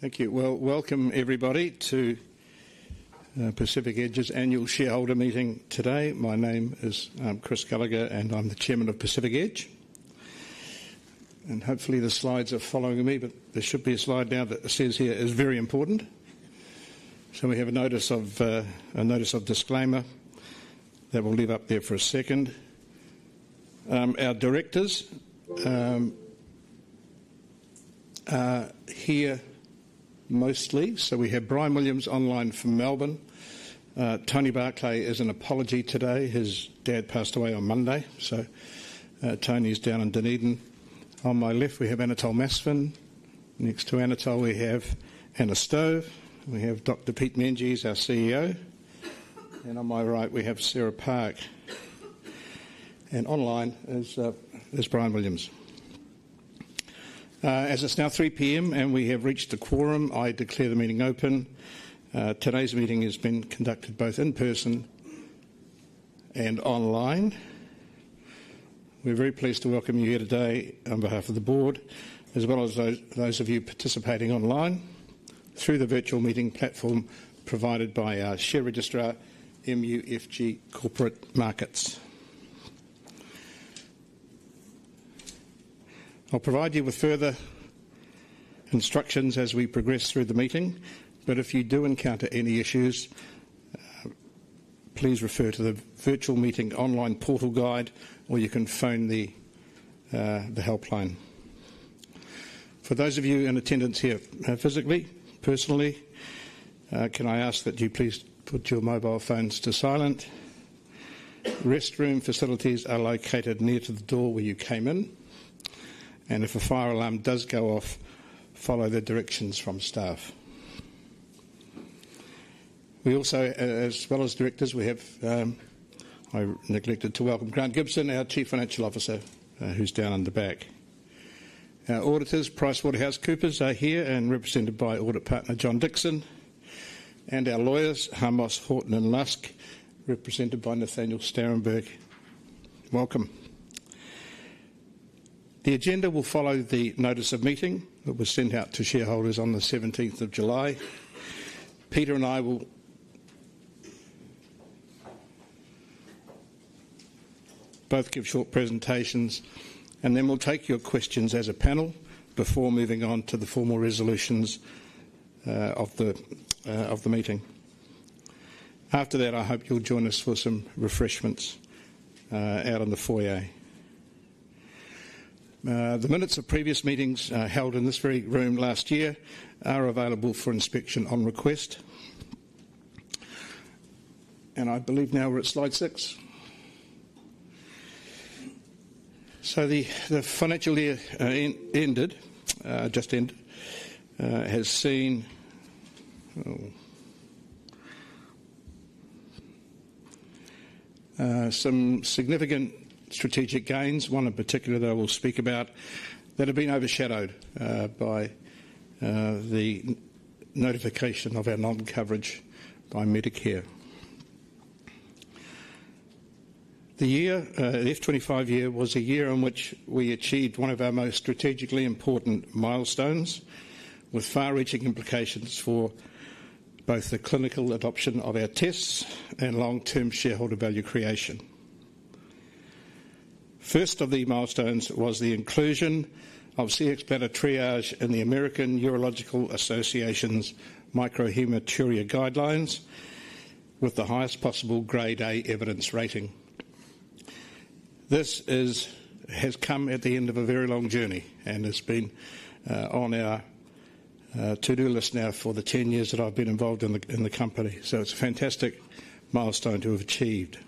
Thank you. Welcome everybody to Pacific Edge's Annual Shareholder Meeting today. My name is Chris Gallaher and I'm the Chairman of Pacific Edge. Hopefully the slides are following me, but there should be a slide now that says here is very important. We have a notice of disclaimer that will live up there for a second. Our directors are here mostly. We have Bryan Williams online from Melbourne. Tony Barclay is an apology today. His dad passed away on Monday. Tony's down in Dunedin. On my left, we have Anatole Masfen. Next to Anatole, we have Anna Stove. We have Dr. Peter Meintjes, our CEO. On my right, we have Sarah Park. Online is Bryan Williams. As it's now 3:00 P.M. and we have reached the quorum, I declare the meeting open. Today's meeting has been conducted both in person and online. We're very pleased to welcome you here today on behalf of the Board, as well as those of you participating online through the virtual meeting platform provided by our share registrar, MUFG Corporate Markets. I'll provide you with further instructions as we progress through the meeting. If you do encounter any issues, please refer to the virtual meeting online portal guide or you can phone the helpline. For those of you in attendance here physically, can I ask that you please put your mobile phones to silent? Restroom facilities are located near to the door where you came in. If a fire alarm does go off, follow the directions from staff. We also, as well as directors, have, I neglected to welcome Grant Gibson, our Chief Financial Officer, who's down in the back. Our auditors, PricewaterhouseCoopers, are here and represented by audit partner John Dickson. Our lawyers, Harmos Horton Lusk, are represented by Nathaniel Sterenberg. Welcome. The agenda will follow the notice of meeting that was sent out to shareholders on the 17th of July. Peter and I will both give short presentations, and then we'll take your questions as a panel before moving on to the formal resolutions of the meeting. After that, I hope you'll join us for some refreshments out in the foyer. The minutes of previous meetings held in this very room last year are available for inspection on request. I believe now we're at slide six. The financial year just ended has seen some significant strategic gains, one in particular that I will speak about, that have been overshadowed by the notification of our non-coverage by Medicare. The year, the FY 25 year, was a year in which we achieved one of our most strategically important milestones with far-reaching implications for both the clinical adoption of our tests and long-term shareholder value creation. First of the milestones was the inclusion of Cxbladder Triage in the American Urological Association's microhematuria guidelines with the highest possible Grade A evidence rating. This has come at the end of a very long journey and has been on our to-do list now for the 10 years that I've been involved in the company. It's a fantastic milestone to have achieved.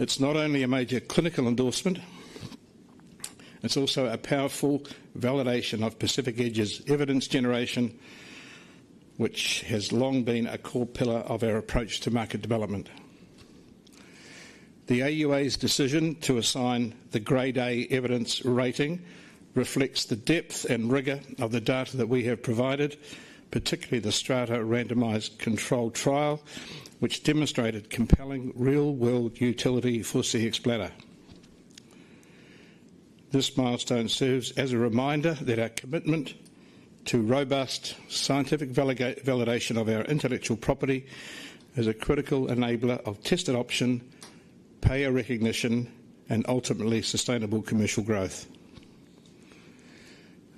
It's not only a major clinical endorsement, it's also a powerful validation of Pacific Edge's evidence generation, which has long been a core pillar of our approach to market development. The AUA's decision to assign the Grade A evidence rating reflects the depth and rigor of the data that we have provided, particularly the Strata randomized controlled trial, which demonstrated compelling real-world utility for Cxbladder. This milestone serves as a reminder that our commitment to robust scientific validation of our intellectual property is a critical enabler of test adoption, payer recognition, and ultimately sustainable commercial growth.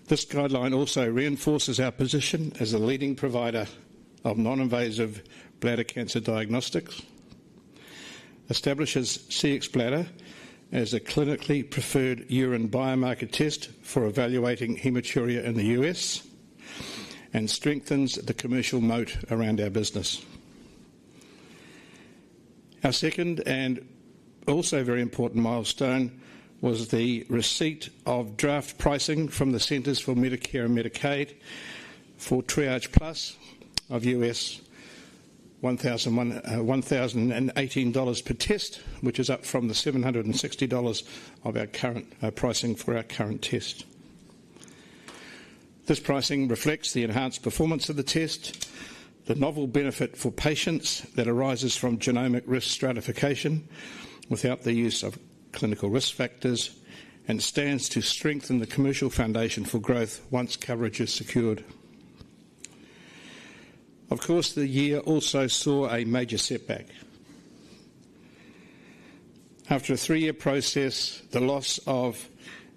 This guideline also reinforces our position as a leading provider of non-invasive bladder cancer diagnostics, establishes Cxbladder as a clinically preferred urine biomarker test for evaluating hematuria in the U.S., and strengthens the commercial moat around our business. Our second and also very important milestone was the receipt of draft pricing from the Centers for Medicare & Medicaid Services for Triage-Plus of $1,018 per test, which is up from the $760 of our current pricing for our current test. This pricing reflects the enhanced performance of the test, the novel benefit for patients that arises from genomic risk stratification without the use of clinical risk factors, and stands to strengthen the commercial foundation for growth once coverage is secured. Of course, the year also saw a major setback. After a three-year process, the loss of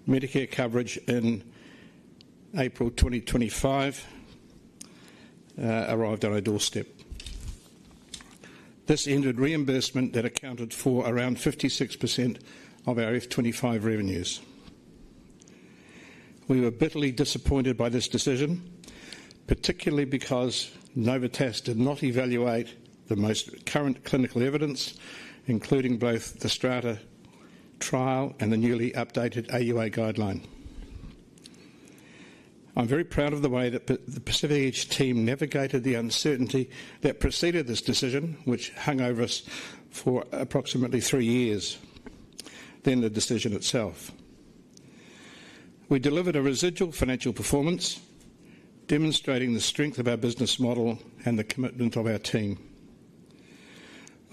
Medicare coverage in April 2025 arrived on our doorstep, this injured reimbursement that accounted for around 56% of our FY 25 revenues. We were bitterly disappointed by this decision, particularly because Novitas did not evaluate the most current clinical evidence, including both the Strata trial and the newly updated AUA guideline. I'm very proud of the way that the Pacific Edge team navigated the uncertainty that preceded this decision, which hung over us for approximately three years, then the decision itself. We delivered a residual financial performance, demonstrating the strength of our business model and the commitment of our team.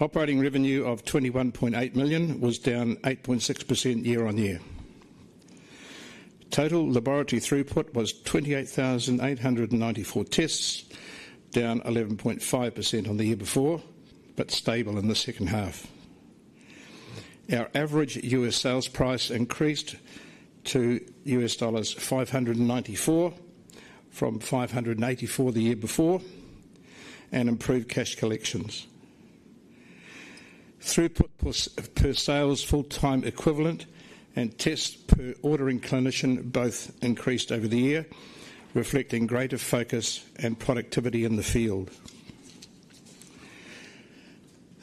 Operating revenue of 21.8 million was down 8.6% year-on-year. Total laboratory throughput was 28,894 tests, down 11.5% on the year before, but stable in the second half. Our average U.S. sales price increased to $594 from $584 the year before and improved cash collections. Throughput per sales full-time equivalent and tests per ordering clinician both increased over the year, reflecting greater focus and productivity in the field.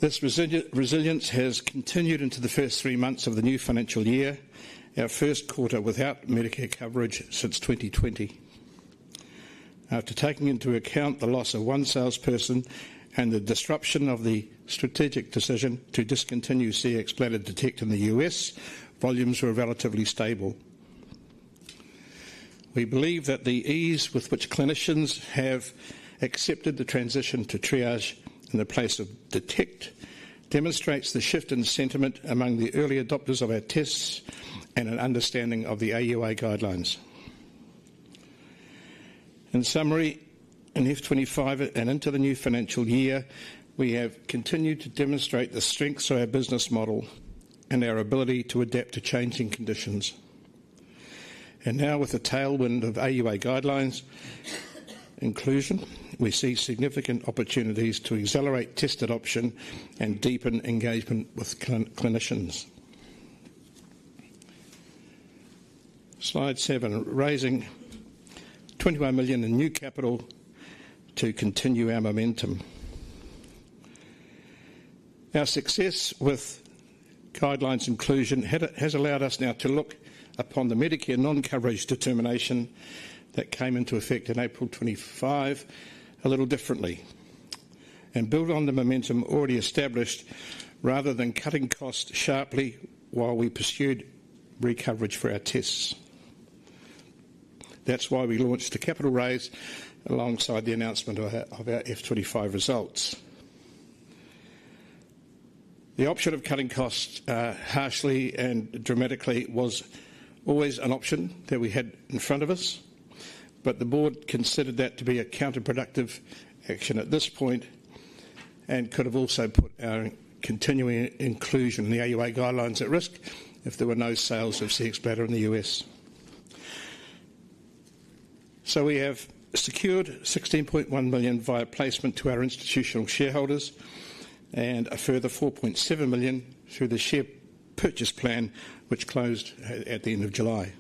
This resilience has continued into the first three months of the new financial year, our first quarter without Medicare coverage since 2020. After taking into account the loss of one salesperson and the disruption of the strategic decision to discontinue Cxbladder Detect in the U.S., volumes were relatively stable. We believe that the ease with which clinicians have accepted the transition to Triage in the place of Detect demonstrates the shift in sentiment among the early adopters of our tests and an understanding of the AUA guidelines. In summary, in FY 25 and into the new financial year, we have continued to demonstrate the strengths of our business model and our ability to adapt to changing conditions. Now, with the tailwind of AUA guidelines inclusion, we see significant opportunities to accelerate test adoption and deepen engagement with clinicians. Slide seven, raising 21 million in new capital to continue our momentum. Our success with guidelines inclusion has allowed us now to look upon the Medicare non-coverage determination that came into effect in April 2025 a little differently and build on the momentum already established rather than cutting costs sharply while we pursued recoverage for our tests. That's why we launched the capital raise alongside the announcement of our FY 25 results. The option of cutting costs harshly and dramatically was always an option that we had in front of us, but the board considered that to be a counterproductive action at this point and could have also put our continuing inclusion in the AUA guidelines at risk if there were no sales of Cxbladder in the U.S. We have secured 16.1 million via placement to our institutional shareholders and a further $4.7 million through the share purchase plan, which closed at the end of July.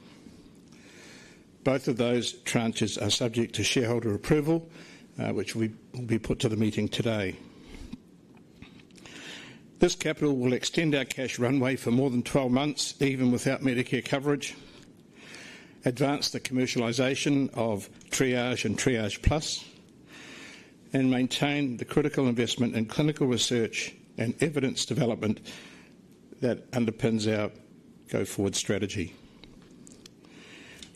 Both of those tranches are subject to shareholder approval, which will be put to the meeting today. This capital will extend our cash runway for more than 12 months, even without Medicare coverage, advance the commercialization of Triage and Triage-Plus, and maintain the critical investment in clinical research and evidence development that underpins our go-forward strategy.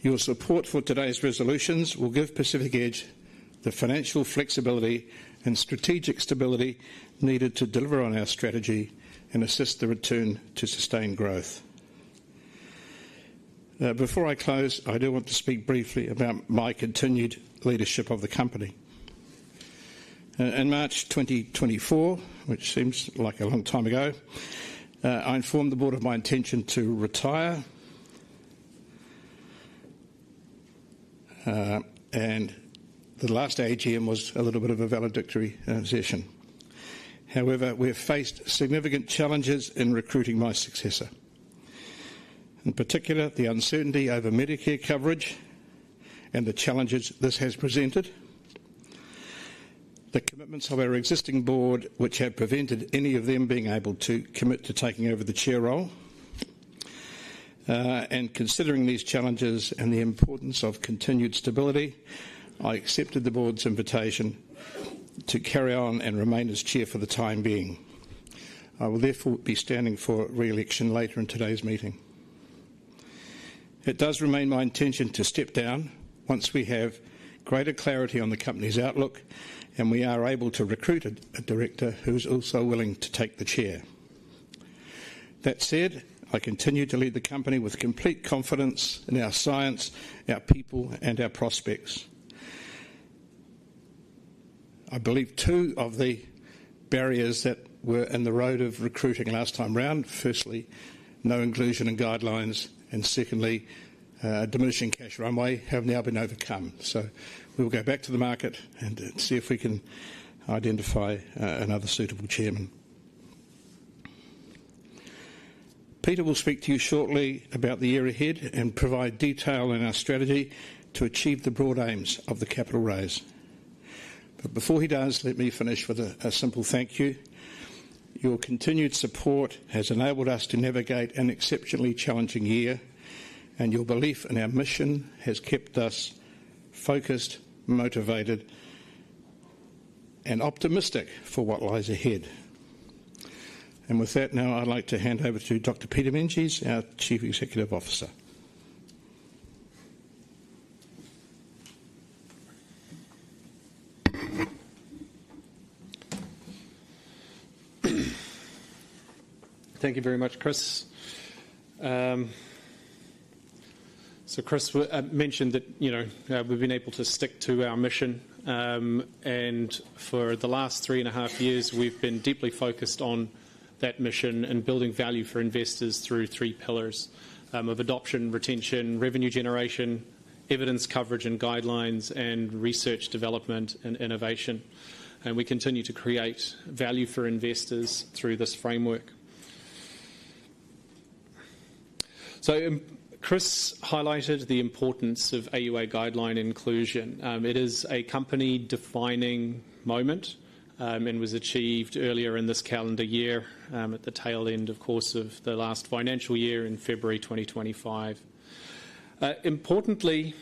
Your support for today's resolutions will give Pacific Edge the financial flexibility and strategic stability needed to deliver on our strategy and assist the return to sustained growth. Before I close, I do want to speak briefly about my continued leadership of the company. In March 2024, which seems like a long time ago, I informed the board of my intention to retire, and the last AGM was a little bit of a valedictory session. However, we have faced significant challenges in recruiting my successor. In particular, the uncertainty over Medicare coverage and the challenges this has presented, the commitments of our existing board, which have prevented any of them being able to commit to taking over the chair role. Considering these challenges and the importance of continued stability, I accepted the board's invitation to carry on and remain as Chair for the time being. I will therefore be standing for reelection later in today's meeting. It does remain my intention to step down once we have greater clarity on the company's outlook and we are able to recruit a director who's also willing to take the Chair. That said, I continue to lead the company with complete confidence in our science, our people, and our prospects. I believe two of the barriers that were in the road of recruiting last time around, firstly, no inclusion in guidelines, and secondly, a diminishing cash runway, have now been overcome. We will go back to the market and see if we can identify another suitable Chairman. Peter will speak to you shortly about the year ahead and provide detail in our strategy to achieve the broad aims of the capital raise. Before he does, let me finish with a simple thank you. Your continued support has enabled us to navigate an exceptionally challenging year, and your belief in our mission has kept us focused, motivated, and optimistic for what lies ahead. With that, now I'd like to hand over to Dr. Peter Meintjes, our Chief Executive Officer. Thank you very much, Chris. Chris mentioned that, you know, we've been able to stick to our mission. For the last three and a half years, we've been deeply focused on that mission and building value for investors through three pillars of adoption, retention, revenue generation, evidence coverage and guidelines, and research development and innovation. We continue to create value for investors through this framework. Chris highlighted the importance of AUA guideline inclusion. It is a company-defining moment and was achieved earlier in this calendar year at the tail end, of course, of the last financial year in February 2025. Importantly,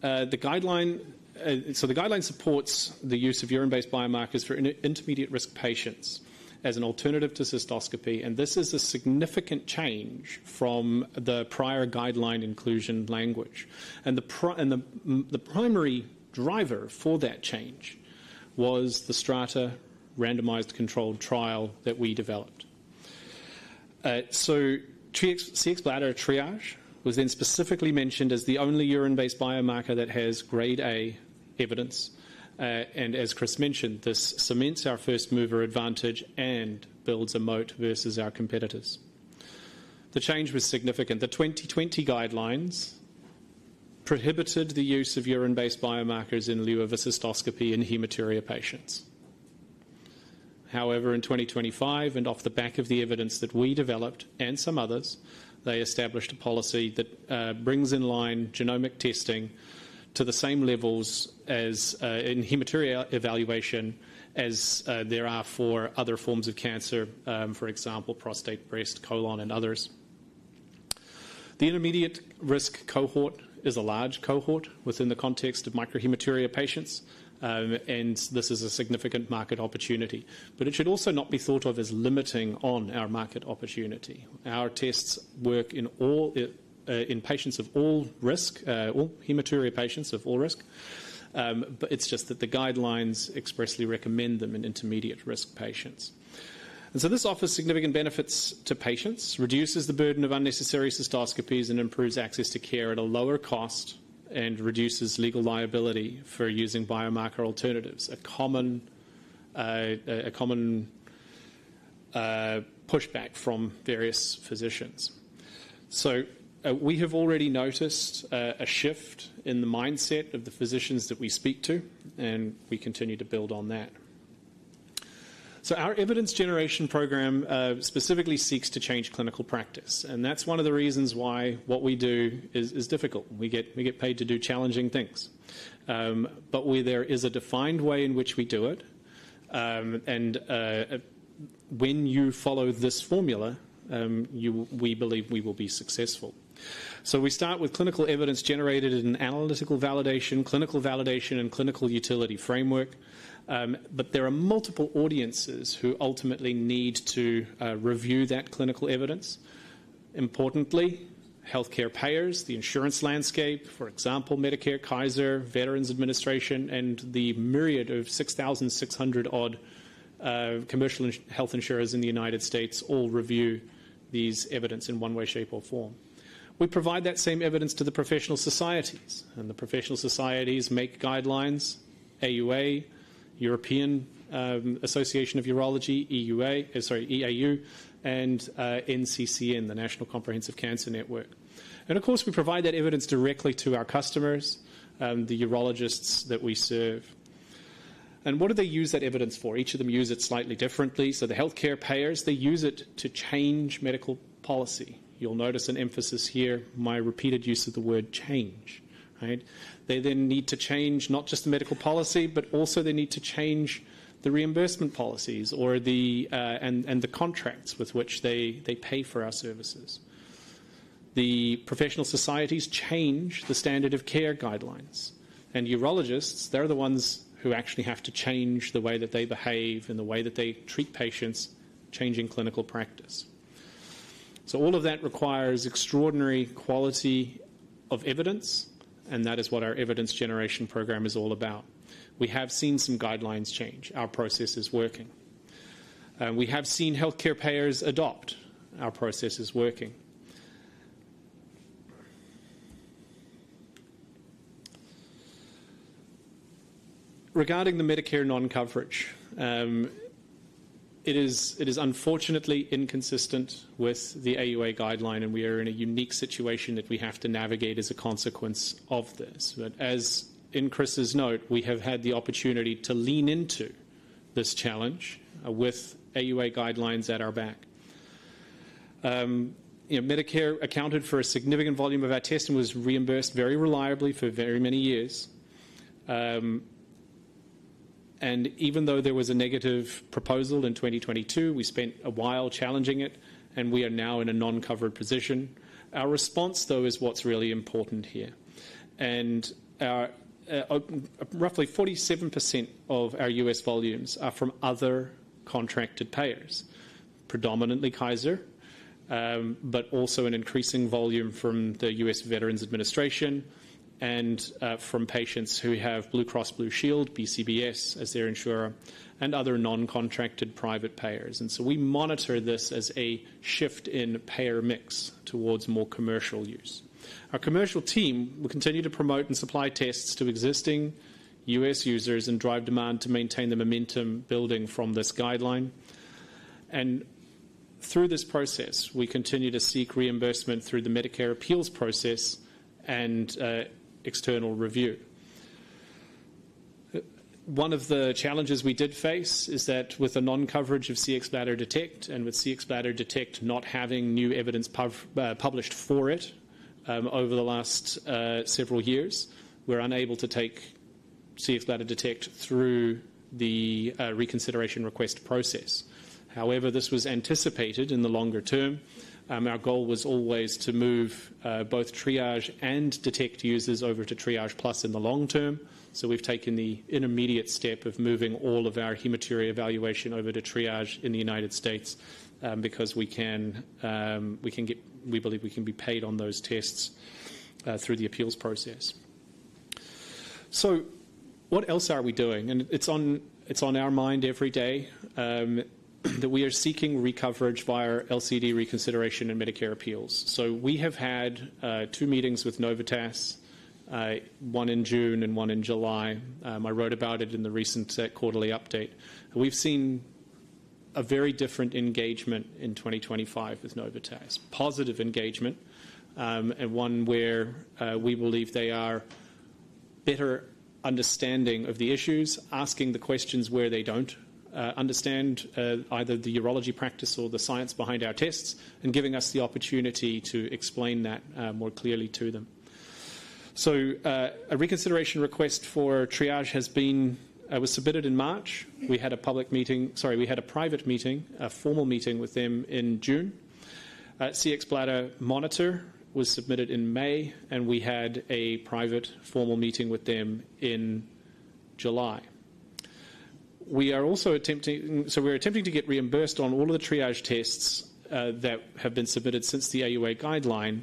the guideline supports the use of urine-based biomarkers for intermediate risk patients as an alternative to cystoscopy. This is a significant change from the prior guideline inclusion language. The primary driver for that change was the Strata randomized controlled trial that we developed. Cxbladder Triage was then specifically mentioned as the only urine-based biomarker that has Grade A evidence. As Chris mentioned, this cements our first mover advantage and builds a moat versus our competitors. The change was significant. The 2020 guidelines prohibited the use of urine-based biomarkers in lieu of a cystoscopy in hematuria patients. However, in 2025, and off the back of the evidence that we developed and some others, they established a policy that brings in line genomic testing to the same levels in hematuria evaluation as there are for other forms of cancer, for example, prostate, breast, colon, and others. The intermediate risk cohort is a large cohort within the context of microhematuria patients, and this is a significant market opportunity. It should also not be thought of as limiting on our market opportunity. Our tests work in all patients of all risk, all hematuria patients of all risk, but it's just that the guidelines expressly recommend them in intermediate risk patients. This offers significant benefits to patients, reduces the burden of unnecessary cystoscopies, and improves access to care at a lower cost and reduces legal liability for using biomarker alternatives, a common pushback from various physicians. We have already noticed a shift in the mindset of the physicians that we speak to, and we continue to build on that. Our evidence generation program specifically seeks to change clinical practice, and that's one of the reasons why what we do is difficult. We get paid to do challenging things, but there is a defined way in which we do it. When you follow this formula, we believe we will be successful. We start with clinical evidence generated in an analytical validation, clinical validation, and clinical utility framework. There are multiple audiences who ultimately need to review that clinical evidence. Importantly, healthcare payers, the insurance landscape, for example, Medicare, Kaiser, Veterans Administration, and the myriad of 6,600-odd commercial health insurers in the United States all review this evidence in one way, shape, or form. We provide that same evidence to the professional societies, and the professional societies make guidelines: AUA, European Association of Urology, EAU, and NCCN, the National Comprehensive Cancer Network. We provide that evidence directly to our customers, the urologists that we serve. What do they use that evidence for? Each of them use it slightly differently. The healthcare payers use it to change medical policy. You'll notice an emphasis here, my repeated use of the word change, right? They then need to change not just the medical policy, but also they need to change the reimbursement policies or the contracts with which they pay for our services. The professional societies change the standard of care guidelines, and urologists are the ones who actually have to change the way that they behave and the way that they treat patients, changing clinical practice. All of that requires extraordinary quality of evidence, and that is what our evidence generation program is all about. We have seen some guidelines change. Our process is working. We have seen healthcare payers adopt. Our process is working. Regarding the Medicare non-coverage, it is unfortunately inconsistent with the AUA guideline, and we are in a unique situation that we have to navigate as a consequence of this. As in Chris's note, we have had the opportunity to lean into this challenge with AUA guidelines at our back. Medicare accounted for a significant volume of our tests and was reimbursed very reliably for very many years. Even though there was a negative proposal in 2022, we spent a while challenging it, and we are now in a non-covered position. Our response, though, is what's really important here. Roughly 47% of our U.S. volumes are from other contracted payers, predominantly Kaiser Permanente, but also an increasing volume from the U.S. Veterans Administration and from patients who have Blue Cross Blue Shield, BCBS as their insurer, and other non-contracted private payers. We monitor this as a shift in payer mix towards more commercial use. Our commercial team will continue to promote and supply tests to existing U.S. users and drive demand to maintain the momentum building from this guideline. Through this process, we continue to seek reimbursement through the Medicare appeals process and external review. One of the challenges we did face is that with the non-coverage of Cxbladder Detect and with Cxbladder Detect not having new evidence published for it over the last several years, we're unable to take Cxbladder Detect through the reconsideration request process. However, this was anticipated. In the longer term, our goal was always to move both Triage and Detect users over to Triage-Plus in the long term. We've taken the intermediate step of moving all of our hematuria evaluation over to Triage in the United States because we believe we can be paid on those tests through the appeals process. What else are we doing? It's on our mind every day that we are seeking recoverage via LCD reconsideration and Medicare appeals. We have had two meetings with Novitas, one in June and one in July. I wrote about it in the recent quarterly update. We've seen a very different engagement in 2025 with Novitas, positive engagement, and one where we believe they are a better understanding of the issues, asking the questions where they don't understand either the urology practice or the science behind our tests, and giving us the opportunity to explain that more clearly to them. A reconsideration request for Triage was submitted in March. We had a private, formal meeting with them in June. Cxbladder Monitor was submitted in May, and we had a private, formal meeting with them in July. We are also attempting to get reimbursed on all of the Triage tests that have been submitted since the AUA guideline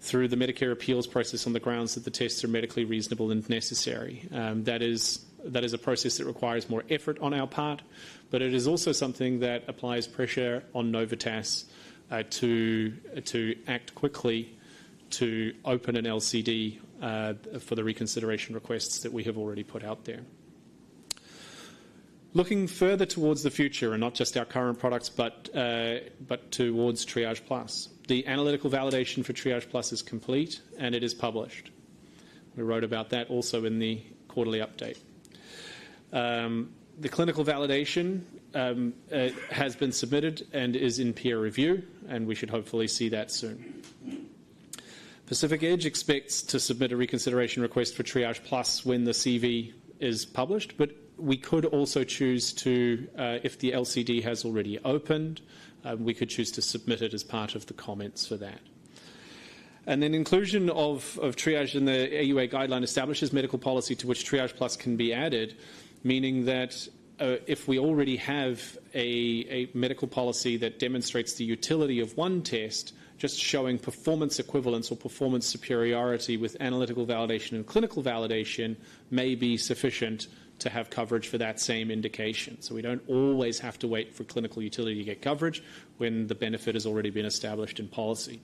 through the Medicare appeals process on the grounds that the tests are medically reasonable and necessary. That is a process that requires more effort on our part, but it is also something that applies pressure on Novitas to act quickly to open an LCD for the reconsideration requests that we have already put out there. Looking further towards the future and not just our current products, but towards Triage-Plus, the analytical validation for Triage-Plus is complete and it is published. We wrote about that also in the quarterly update. The clinical validation has been submitted and is in peer review, and we should hopefully see that soon. Pacific Edge expects to submit a reconsideration request for Triage-Plus when the CV is published, but we could also choose to, if the LCD has already opened, we could choose to submit it as part of the comments for that. Inclusion of Triage in the AUA guideline establishes medical policy to which Triage-Plus can be added, meaning that if we already have a medical policy that demonstrates the utility of one test, just showing performance equivalence or performance superiority with analytical validation and clinical validation may be sufficient to have coverage for that same indication. We do not always have to wait for clinical utility to get coverage when the benefit has already been established in policy.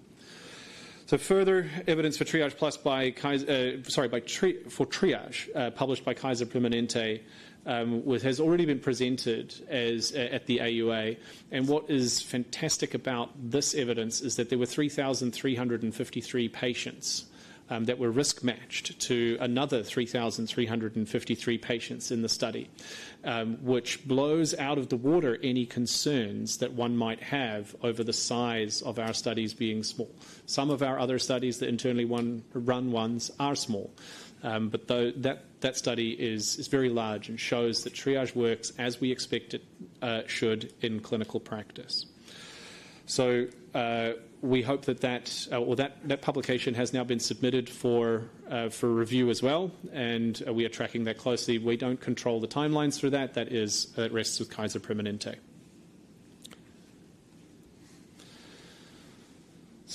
Further evidence for Triage-Plus by Kaiser Permanente, sorry, for Triage published by Kaiser Permanente has already been presented at the AUA. What is fantastic about this evidence is that there were 3,353 patients that were risk matched to another 3,353 patients in the study, which blows out of the water any concerns that one might have over the size of our studies being small. Some of our other studies, the internally run ones, are small, but that study is very large and shows that Triage works as we expect it should in clinical practice. We hope that that publication has now been submitted for review as well, and we are tracking that closely. We do not control the timelines for that. That is at rest with Kaiser Permanente.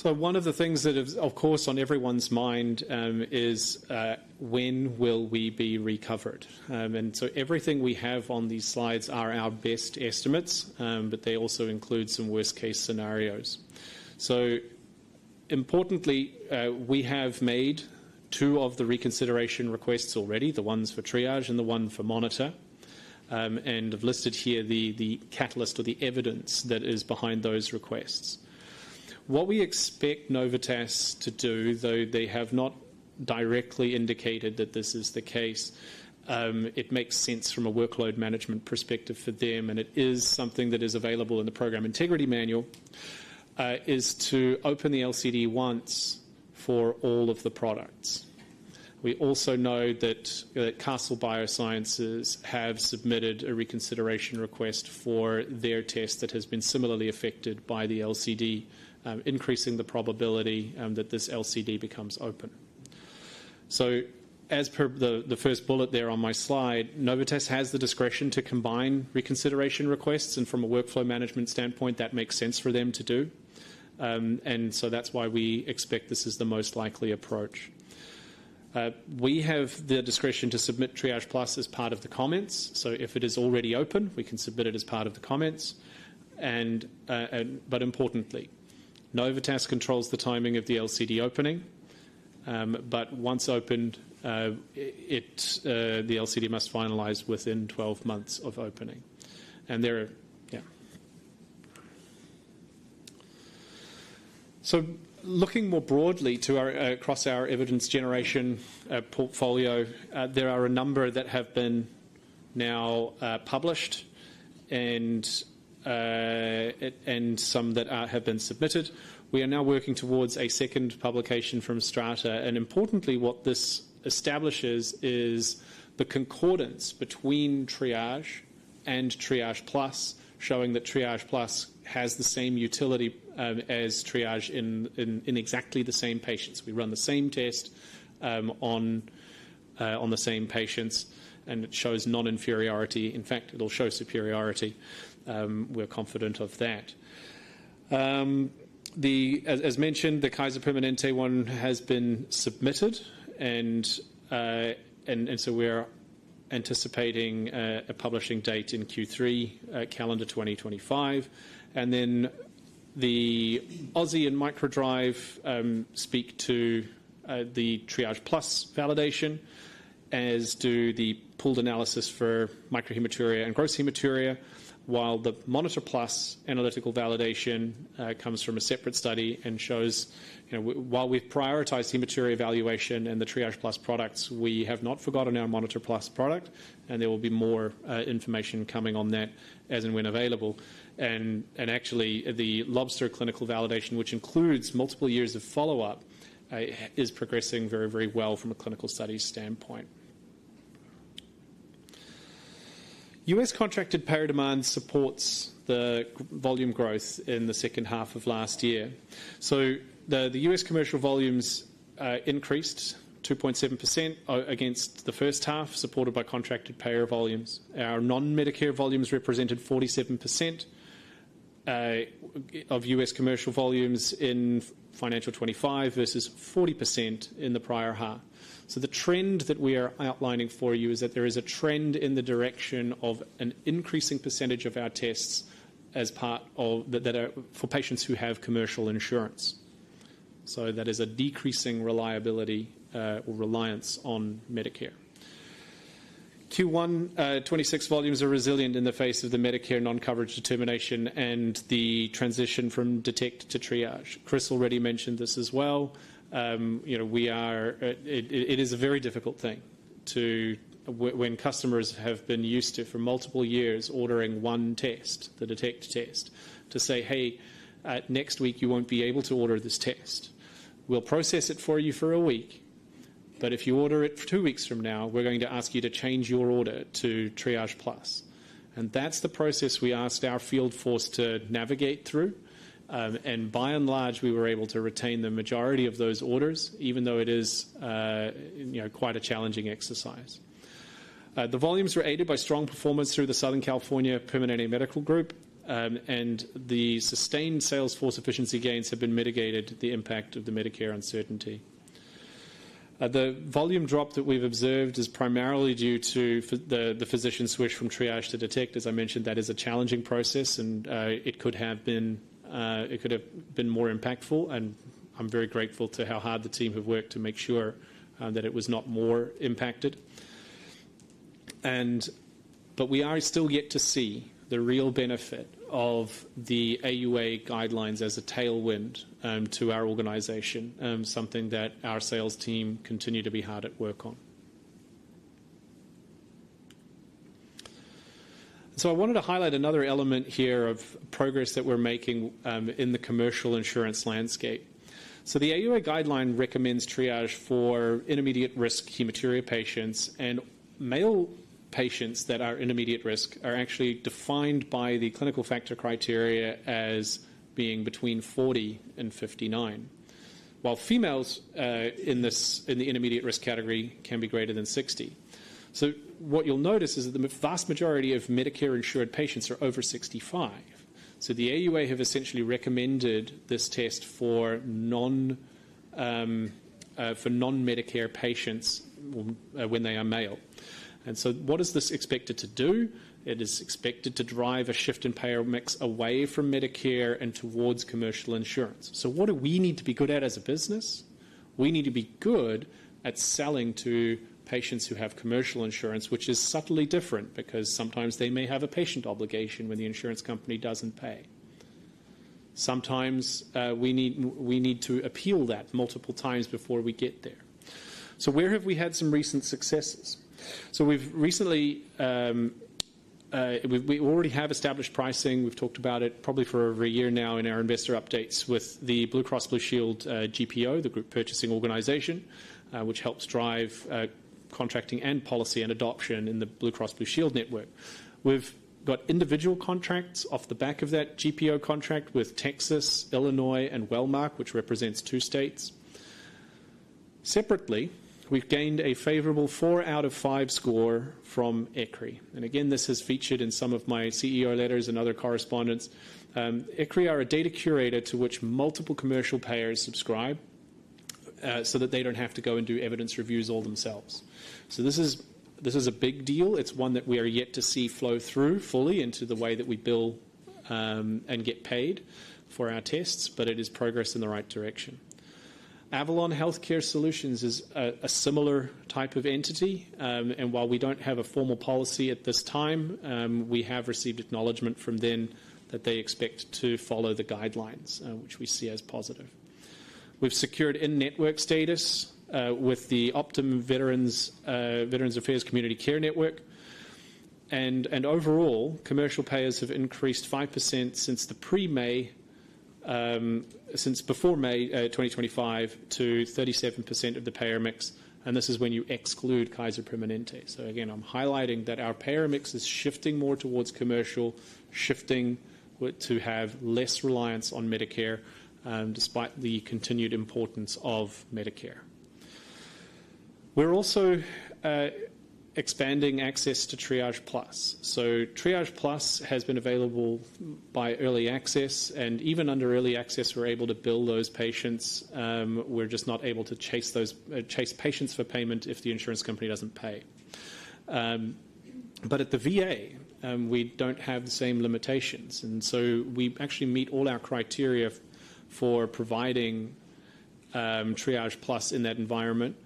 One of the things that is, of course, on everyone's mind is when will we be recovered? Everything we have on these slides are our best estimates, but they also include some worst-case scenarios. Importantly, we have made two of the reconsideration requests already, the ones for Triage and the one for Monitor, and I have listed here the catalyst or the evidence that is behind those requests. What we expect Novitas to do, though they have not directly indicated that this is the case, it makes sense from a workload management perspective for them, and it is something that is available in the program integrity manual, is to open the LCD once for all of the products. We also know that Castle Biosciences has submitted a reconsideration request for their test that has been similarly affected by the LCD, increasing the probability that this LCD becomes open. As per the first bullet there on my slide, Novitas has the discretion to combine reconsideration requests, and from a workflow management standpoint, that makes sense for them to do. That is why we expect this is the most likely approach. We have the discretion to submit Triage-Plus as part of the comments. If it is already open, we can submit it as part of the comments. Importantly, Novitas controls the timing of the LCD opening, but once opened, the LCD must finalize within 12 months of opening. Looking more broadly across our evidence generation portfolio, there are a number that have been now published and some that have been submitted. We are now working towards a second publication from Strata. Importantly, what this establishes is the concordance between Triage and Triage-Plus, showing that Triage-Plus has the same utility as Triage in exactly the same patients. We run the same test on the same patients, and it shows non-inferiority. In fact, it'll show superiority. We're confident of that. As mentioned, the Kaiser Permanente one has been submitted, and we're anticipating a publishing date in Q3, calendar 2025. The Aussie and Microdrive speak to the Triage-Plus validation, as do the pooled analysis for microhematuria and gross hematuria, while the Monitor Plus analytical validation comes from a separate study and shows, you know, while we've prioritized hematuria evaluation and the Triage-Plus products, we have not forgotten our Monitor Plus product, and there will be more information coming on that as and when available. The Lobster clinical validation, which includes multiple years of follow-up, is progressing very, very well from a clinical study standpoint. U.S. contracted payer demand supports the volume growth in the second half of last year. The U.S. commercial volumes increased 2.7% against the first half, supported by contracted payer volumes. Our non-Medicare volumes represented 47% of U.S. commercial volumes in financial 2025 versus 40% in the prior half. The trend that we are outlining for you is that there is a trend in the direction of an increasing percentage of our tests that are for patients who have commercial insurance. That is a decreasing reliability or reliance on Medicare. Q1 2026 volumes are resilient in the face of the Medicare non-coverage determination and the transition from Detect to Triage. Chris already mentioned this as well. It is a very difficult thing when customers have been used to, for multiple years, ordering one test, the Detect test, to say, "Hey, next week you won't be able to order this test. We'll process it for you for a week, but if you order it two weeks from now, we're going to ask you to change your order to Triage-Plus." That's the process we asked our field force to navigate through. By and large, we were able to retain the majority of those orders, even though it is quite a challenging exercise. The volumes were aided by strong performance through the Southern California Permanente Medical Group, and the sustained salesforce efficiency gains have mitigated the impact of the Medicare uncertainty. The volume drop that we've observed is primarily due to the physician switch from Triage to Detect. As I mentioned, that is a challenging process, and it could have been more impactful. I'm very grateful to how hard the team have worked to make sure that it was not more impacted. We are still yet to see the real benefit of the AUA guidelines as a tailwind to our organization, something that our sales team continues to be hard at work on. I wanted to highlight another element here of progress that we're making in the commercial insurance landscape. The AUA guideline recommends Triage for intermediate risk hematuria patients, and male patients that are intermediate risk are actually defined by the clinical factor criteria as being between 40-59 years, while females in the intermediate risk category can be greater than 60 years. What you'll notice is that the vast majority of Medicare-insured patients are over 65 years. The AUA have essentially recommended this test for non-Medicare patients when they are male. What is this expected to do? It is expected to drive a shift in payer mix away from Medicare and towards commercial insurance. What do we need to be good at as a business? We need to be good at selling to patients who have commercial insurance, which is subtly different because sometimes they may have a patient obligation when the insurance company doesn't pay. Sometimes we need to appeal that multiple times before we get there. Where have we had some recent successes? We've recently, we already have established pricing. We've talked about it probably for over a year now in our investor updates with the Blue Cross Blue Shield GPO, the group purchasing organization, which helps drive contracting and policy and adoption in the Blue Cross Blue Shield network. We've got individual contracts off the back of that GPO contract with Texas, Illinois, and Walmart, which represents two states. Separately, we've gained a favorable four out of five score from ECRI. This is featured in some of my CEO letters and other correspondence. ECRI are a data curator to which multiple commercial payers subscribe so that they don't have to go and do evidence reviews all themselves. This is a big deal. It is one that we are yet to see flow through fully into the way that we bill and get paid for our tests, but it is progress in the right direction. Avalon Healthcare Solutions is a similar type of entity. While we don't have a formal policy at this time, we have received acknowledgement from them that they expect to follow the guidelines, which we see as positive. We've secured in-network status with the Optum Veterans Affairs Community Care Network. Overall, commercial payers have increased 5% since before May 2025 to 37% of the payer mix. This is when you exclude Kaiser Permanente. I'm highlighting that our payer mix is shifting more towards commercial, shifting to have less reliance on Medicare, despite the continued importance of Medicare. We're also expanding access to Triage-Plus. Triage-Plus has been available by early access, and even under early access, we're able to bill those patients. We're just not able to chase patients for payment if the insurance company doesn't pay. At the VA, we don't have the same limitations. We actually meet all our criteria for providing Triage-Plus in that environment,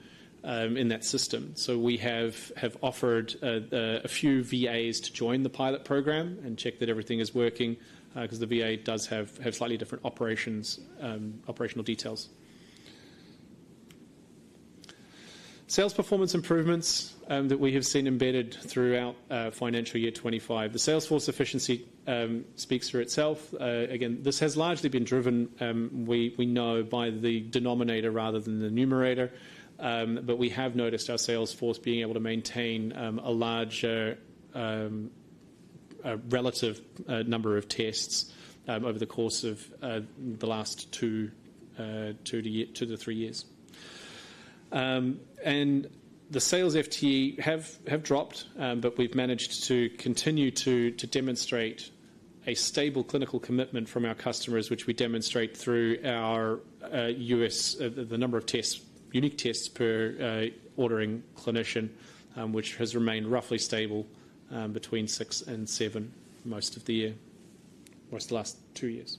in that system. We have offered a few VAs to join the pilot program and check that everything is working because the VA does have slightly different operational details. Sales performance improvements that we have seen embedded throughout financial year 2025. The salesforce efficiency speaks for itself. This has largely been driven, we know, by the denominator rather than the numerator. We have noticed our salesforce being able to maintain a larger relative number of tests over the course of the last two to three years. The sales FTE have dropped, but we've managed to continue to demonstrate a stable clinical commitment from our customers, which we demonstrate through our U.S., the number of tests, unique tests per ordering clinician, which has remained roughly stable between six and seven most of the year, most of the last two years.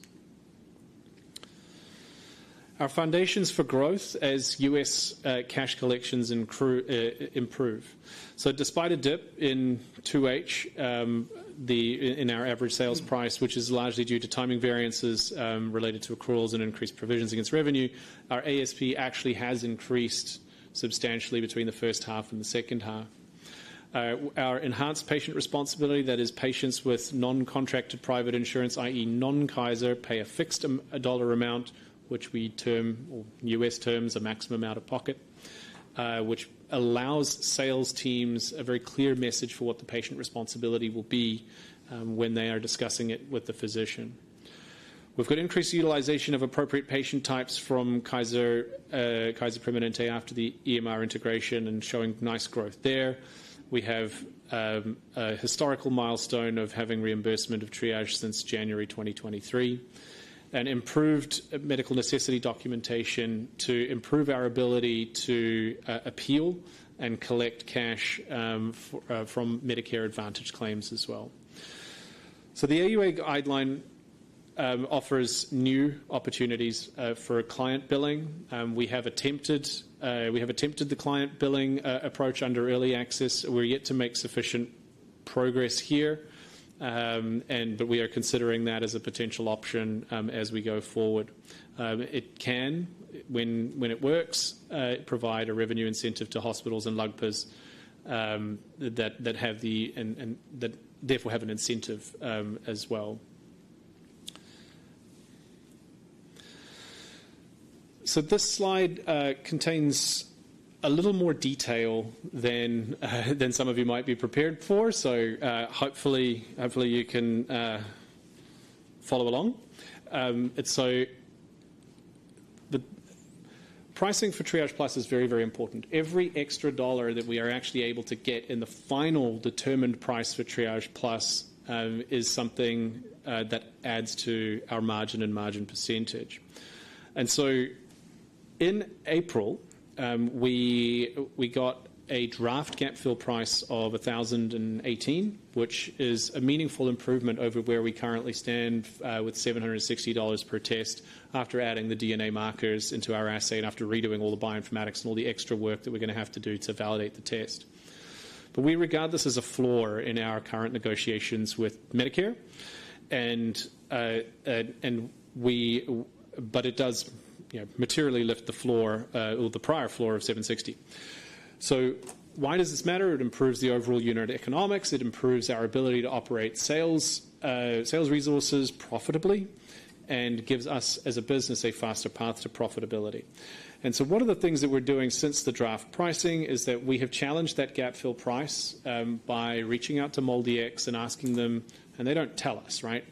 Our foundations for growth as U.S. cash collections improve. Despite a dip in 2H in our average sales price, which is largely due to timing variances related to accruals and increased provisions against revenue, our ASP actually has increased substantially between the first half and the second half. Our enhanced patient responsibility, that is, patients with non-contracted private insurance, i.e. non-Kaiser, pay a fixed dollar amount, which we term, or U.S. terms, a maximum out of pocket, which allows sales teams a very clear message for what the patient responsibility will be when they are discussing it with the physician. We've got increased utilization of appropriate patient types from Kaiser Permanente after the EMR integration and showing nice growth there. We have a historical milestone of having reimbursement of Triage since January 2023 and improved medical necessity documentation to improve our ability to appeal and collect cash from Medicare Advantage claims as well. The AUA guideline offers new opportunities for client billing. We have attempted the client billing approach under early access. We're yet to make sufficient progress here, but we are considering that as a potential option as we go forward. It can, when it works, provide a revenue incentive to hospitals and LUGPAs that have the, and therefore have an incentive as well. This slide contains a little more detail than some of you might be prepared for. Hopefully, you can follow along. The pricing for Triage-Plus is very, very important. Every extra dollar that we are actually able to get in the final determined price for Triage-Plus is something that adds to our margin and margin percentage. In April, we got a draft gapfill price of $1,018, which is a meaningful improvement over where we currently stand with $760 per test after adding the DNA markers into our assay and after redoing all the bioinformatics and all the extra work that we're going to have to do to validate the test. We regard this as a flaw in our current negotiations with Medicare, but it does materially lift the floor, the prior floor of $760. Why does this matter? It improves the overall unit economics. It improves our ability to operate sales resources profitably and gives us as a business a faster path to profitability. One of the things that we're doing since the draft pricing is that we have challenged that gapfill price by reaching out to MolDx and asking them, and they don't tell us, right?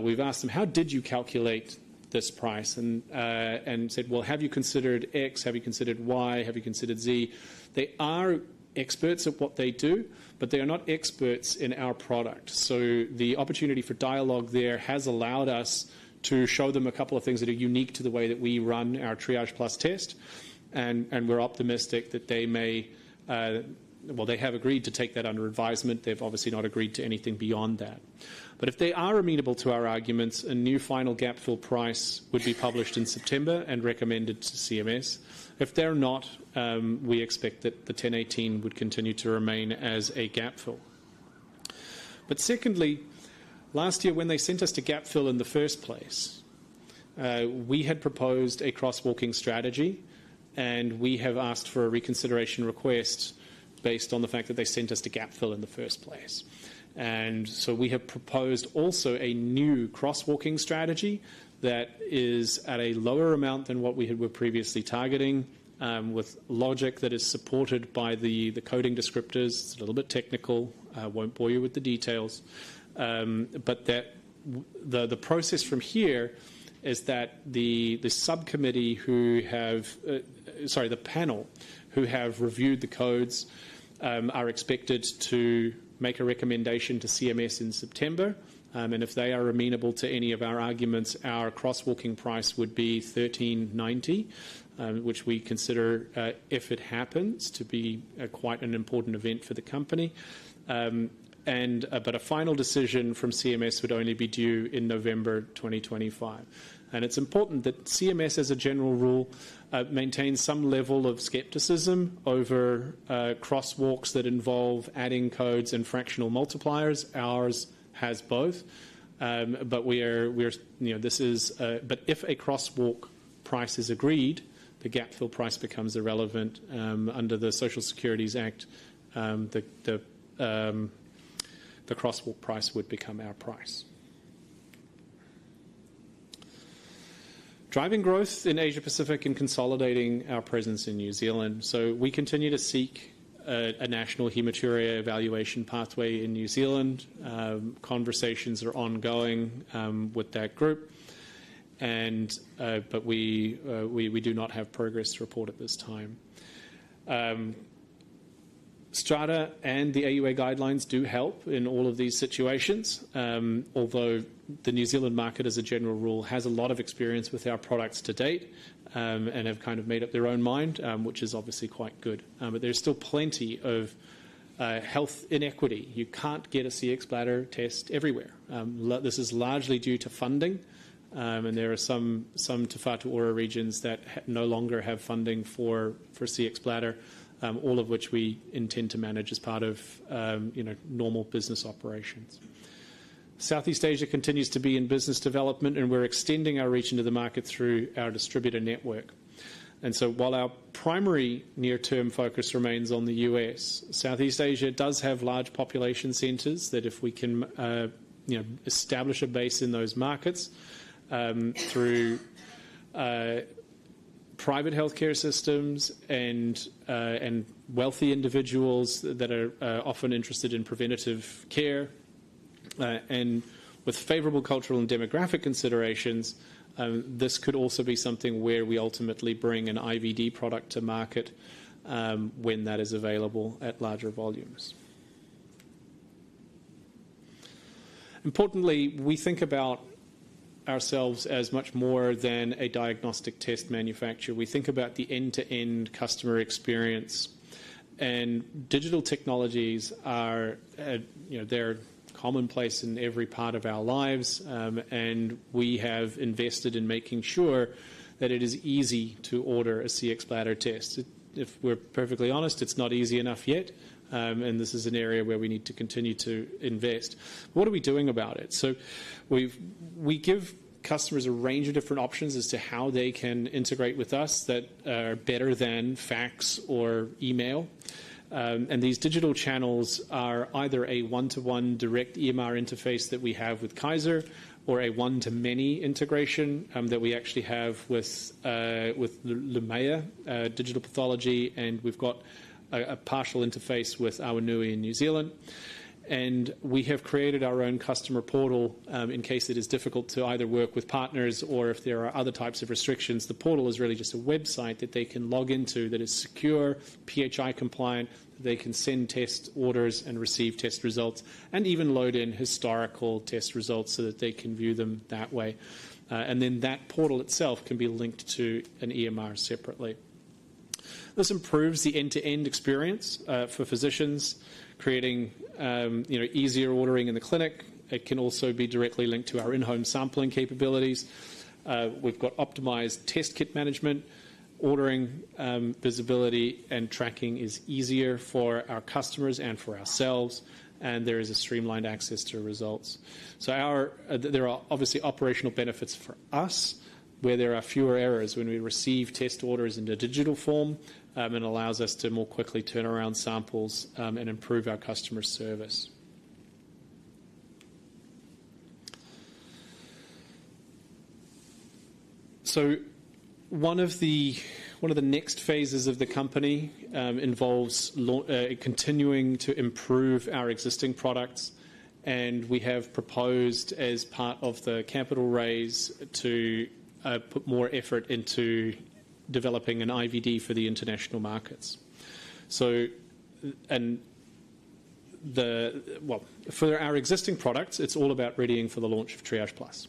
We've asked them, how did you calculate this price? Have you considered X? Have you considered Y? Have you considered Z? They are experts at what they do, but they are not experts in our product. The opportunity for dialogue there has allowed us to show them a couple of things that are unique to the way that we run our Triage-Plus test. We're optimistic that they may, well, they have agreed to take that under advisement. They've obviously not agreed to anything beyond that. If they are amenable to our arguments, a new final gapfill price would be published in September and recommended to CMS. If they're not, we expect that the $1,018 would continue to remain as a gapfill. Secondly, last year when they sent us to gapfill in the first place, we had proposed a crosswalking strategy, and we have asked for a reconsideration request based on the fact that they sent us to gapfill in the first place. We have proposed also a new crosswalking strategy that is at a lower amount than what we were previously targeting with logic that is supported by the coding descriptors. It's a little bit technical. I won't bore you with the details. The process from here is that the panel who have reviewed the codes are expected to make a recommendation to CMS in September. If they are amenable to any of our arguments, our crosswalking price would be $1,390, which we consider, if it happens, to be quite an important event for the company. A final decision from CMS would only be due in November 2025. It's important that CMS, as a general rule, maintains some level of skepticism over crosswalks that involve adding codes and fractional multipliers. Ours has both. If a crosswalk price is agreed, the Gantt fill price becomes irrelevant under the Social Securities Act. The crosswalk price would become our price. Driving growth in Asia-Pacific and consolidating our presence in New Zealand, we continue to seek a national hematuria evaluation pathway in New Zealand. Conversations are ongoing with that group. We do not have progress to report at this time. Strata and the AUA guidelines do help in all of these situations, although the New Zealand market, as a general rule, has a lot of experience with our products to date and have kind of made up their own mind, which is obviously quite good. There's still plenty of health inequity. You can't get a Cxbladder test everywhere. This is largely due to funding, and there are some Te Whatu Ora regions that no longer have funding for Cxbladder, all of which we intend to manage as part of normal business operations. Southeast Asia continues to be in business development, and we're extending our reach into the market through our distributor network. While our primary near-term focus remains on the U.S., Southeast Asia does have large population centers that, if we can establish a base in those markets through private healthcare systems and wealthy individuals that are often interested in preventative care, and with favorable cultural and demographic considerations, this could also be something where we ultimately bring an IVD product to market when that is available at larger volumes. Importantly, we think about ourselves as much more than a diagnostic test manufacturer. We think about the end-to-end customer experience. Digital technologies are commonplace in every part of our lives, and we have invested in making sure that it is easy to order a Cxbladder test. If we're perfectly honest, it's not easy enough yet, and this is an area where we need to continue to invest. What are we doing about it? We give customers a range of different options as to how they can integrate with us that are better than fax or email. These digital channels are either a one-to-one direct EMR interface that we have with Kaiser Permanente or a one-to-many integration that we actually have with Lumeira Digital Pathology. We've got a partial interface with Awanui in New Zealand. We have created our own customer portal in case it is difficult to either work with partners or if there are other types of restrictions. The portal is really just a website that they can log into that is secure, PHI compliant. They can send test orders and receive test results and even load in historical test results so that they can view them that way. That portal itself can be linked to an EMR separately. This improves the end-to-end experience for physicians, creating easier ordering in the clinic. It can also be directly linked to our in-home sampling capabilities. We've got optimized test kit management. Ordering visibility and tracking is easier for our customers and for ourselves, and there is streamlined access to results. There are obviously operational benefits for us where there are fewer errors when we receive test orders in the digital form and it allows us to more quickly turn around samples and improve our customer service. One of the next phases of the company involves continuing to improve our existing products. We have proposed as part of the capital raise to put more effort into developing an IVD for the international markets. For our existing products, it's all about readying for the launch of Triage-Plus.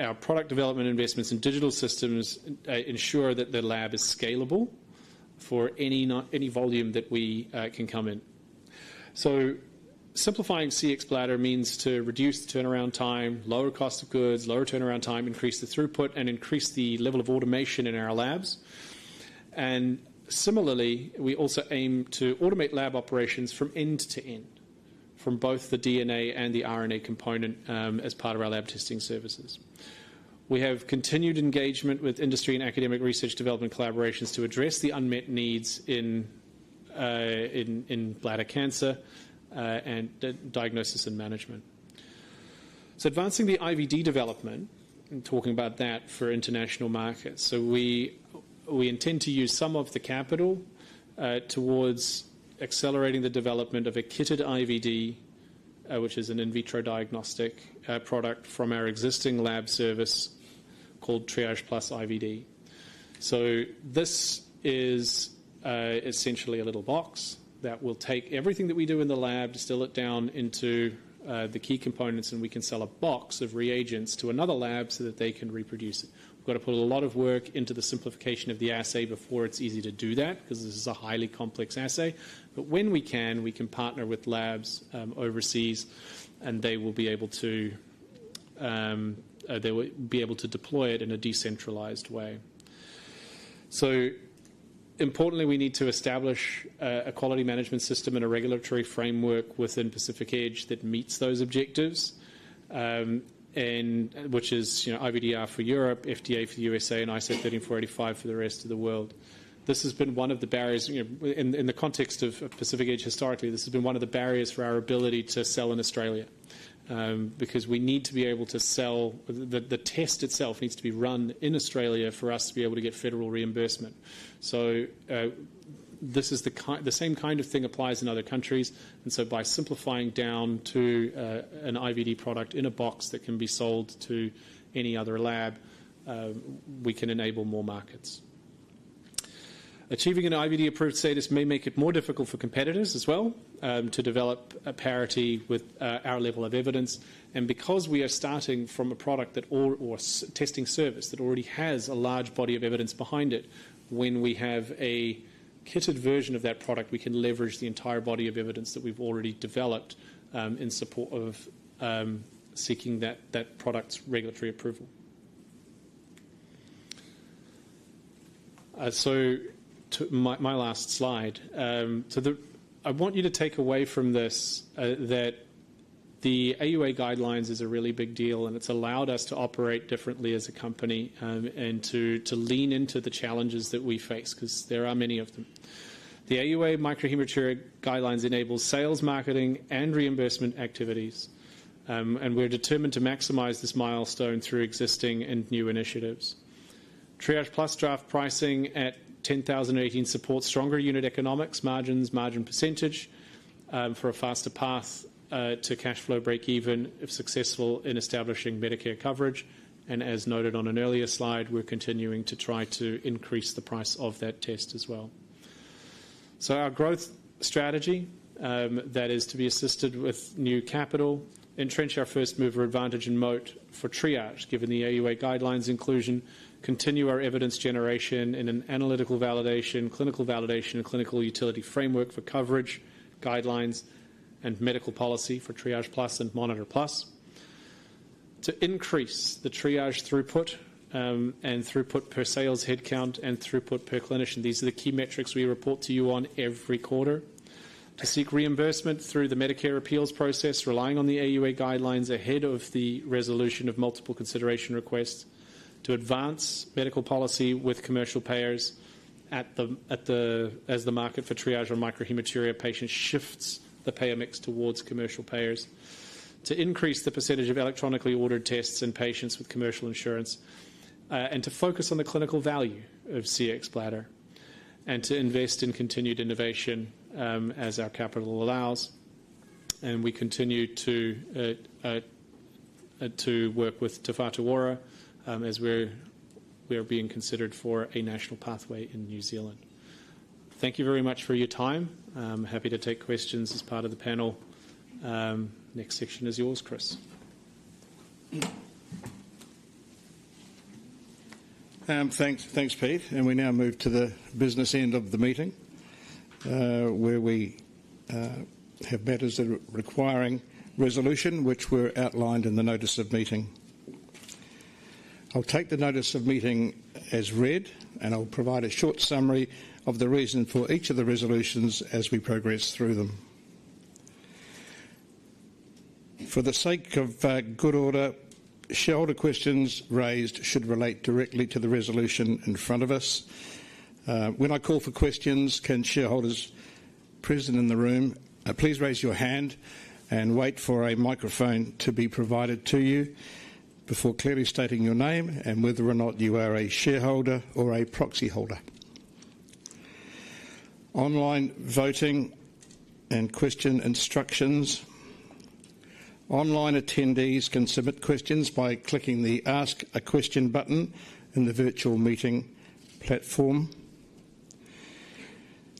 Our product development investments in digital systems ensure that the lab is scalable for any volume that we can come in. Simplifying Cxbladder means to reduce the turnaround time, lower cost of goods, lower turnaround time, increase the throughput, and increase the level of automation in our labs. Similarly, we also aim to automate lab operations from end to end, from both the DNA and the RNA component as part of our lab testing services. We have continued engagement with industry and academic research development collaborations to address the unmet needs in bladder cancer and diagnosis and management. Advancing the IVD development and talking about that for international markets, we intend to use some of the capital towards accelerating the development of a kitted IVD, which is an in vitro diagnostic product from our existing lab service called Triage-Plus IVD. This is essentially a little box that will take everything that we do in the lab, distill it down into the key components, and we can sell a box of reagents to another lab so that they can reproduce it. We've got to put a lot of work into the simplification of the assay before it's easy to do that because this is a highly complex assay. When we can, we can partner with labs overseas, and they will be able to deploy it in a decentralized way. Importantly, we need to establish a quality management system and a regulatory framework within Pacific Edge that meets those objectives, which is IVDR for Europe, FDA for the U.S., and ISO 13485 for the rest of the world. This has been one of the barriers in the context of Pacific Edge historically. This has been one of the barriers for our ability to sell in Australia because we need to be able to sell. The test itself needs to be run in Australia for us to be able to get federal reimbursement. This is the same kind of thing that applies in other countries. By simplifying down to an IVD product in a box that can be sold to any other lab, we can enable more markets. Achieving an IVD-approved status may make it more difficult for competitors as well to develop a parity with our level of evidence. Because we are starting from a product or testing service that already has a large body of evidence behind it, when we have a kitted version of that product, we can leverage the entire body of evidence that we've already developed in support of seeking that product's regulatory approval. To my last slide, I want you to take away from this that the AUA guidelines are a really big deal, and it's allowed us to operate differently as a company and to lean into the challenges that we face because there are many of them. The AUA microhematuria guidelines enable sales, marketing, and reimbursement activities, and we're determined to maximize this milestone through existing and new initiatives. Triage-Plus draft pricing at $10,018 supports stronger unit economics, margins, margin percentage for a faster path to cash flow breakeven if successful in establishing Medicare coverage. As noted on an earlier slide, we're continuing to try to increase the price of that test as well. Our growth strategy, that is to be assisted with new capital, entrench our first mover advantage and moat for Triage, given the AUA guidelines inclusion, continue our evidence generation in an analytical validation, clinical validation, and clinical utility framework for coverage guidelines and medical policy for Triage-Plus and Monitor Plus to increase the triage throughput and throughput per sales headcount and throughput per clinician. These are the key metrics we report to you on every quarter. To seek reimbursement through the Medicare appeals process, relying on the AUA guidelines ahead of the resolution of multiple consideration requests to advance medical policy with commercial payers as the market for triage on microhematuria patients shifts the payer mix towards commercial payers. To increase the percentage of electronically ordered tests in patients with commercial insurance and to focus on the clinical value of Cxbladder and to invest in continued innovation as our capital allows. We continue to work with Te Whatu Ora as we're being considered for a national pathway in New Zealand. Thank you very much for your time. Happy to take questions as part of the panel. Next section is yours, Chris. Thanks, Pete. We now move to the business end of the meeting where we have matters that are requiring resolution, which were outlined in the notice of meeting. I'll take the notice of meeting as read, and I'll provide a short summary of the reason for each of the resolutions as we progress through them. For the sake of good order, shareholder questions raised should relate directly to the resolution in front of us. When I call for questions, can shareholders present in the room please raise your hand and wait for a microphone to be provided to you before clearly stating your name and whether or not you are a shareholder or a proxy holder. Online voting and question instructions. Online attendees can submit questions by clicking the Ask a Question button in the virtual meeting platform.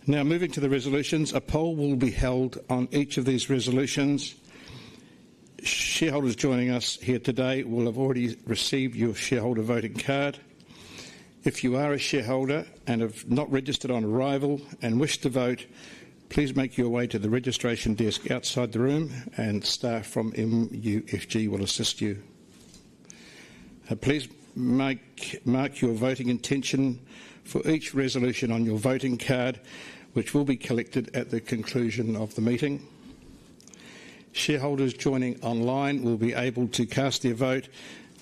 Now moving to the resolutions, a poll will be held on each of these resolutions. Shareholders joining us here today will have already received your shareholder voting card. If you are a shareholder and have not registered on arrival and wish to vote, please make your way to the registration desk outside the room, and staff from MUFG will assist you. Please mark your voting intention for each resolution on your voting card, which will be collected at the conclusion of the meeting. Shareholders joining online will be able to cast their vote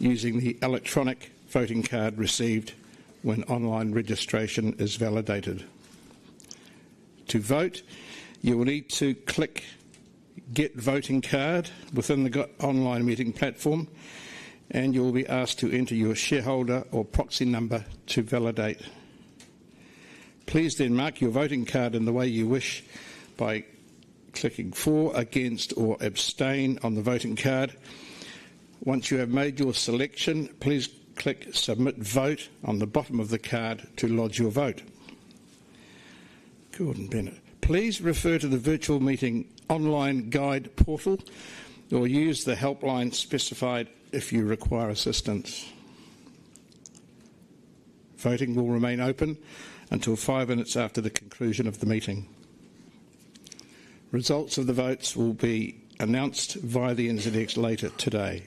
using the electronic voting card received when online registration is validated. To vote, you will need to click Get Voting Card within the online meeting platform, and you will be asked to enter your shareholder or proxy number to validate. Please then mark your voting card in the way you wish by clicking For, Against, or Abstain on the voting card. Once you have made your selection, please click Submit Vote on the bottom of the card to lodge your vote. Please refer to the virtual meeting online guide portal or use the helpline specified if you require assistance. Voting will remain open until five minutes after the conclusion of the meeting. Results of the votes will be announced via the NZX later today.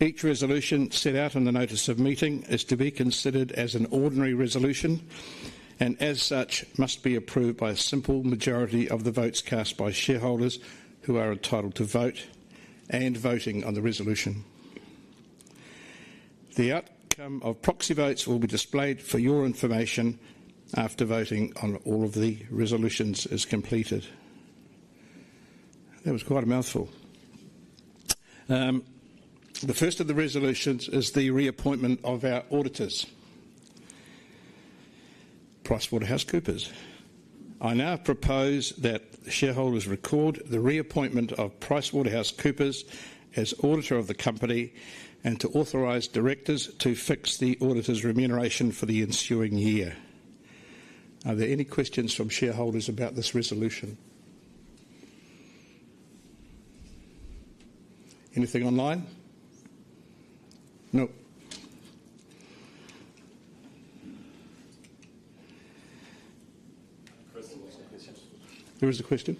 Each resolution set out in the notice of meeting is to be considered as an ordinary resolution and as such must be approved by a simple majority of the votes cast by shareholders who are entitled to vote and voting on the resolution. The outcome of proxy votes will be displayed for your information after voting on all of the resolutions is completed. That was quite a mouthful. The first of the resolutions is the reappointment of our auditors, PricewaterhouseCoopers. I now propose that shareholders record the reappointment of PricewaterhouseCoopers as auditor of the company and to authorize directors to fix the auditor's remuneration for the ensuing year. Are there any questions from shareholders about this resolution? Anything online? Nope. Chris, I have a question. Where is the question?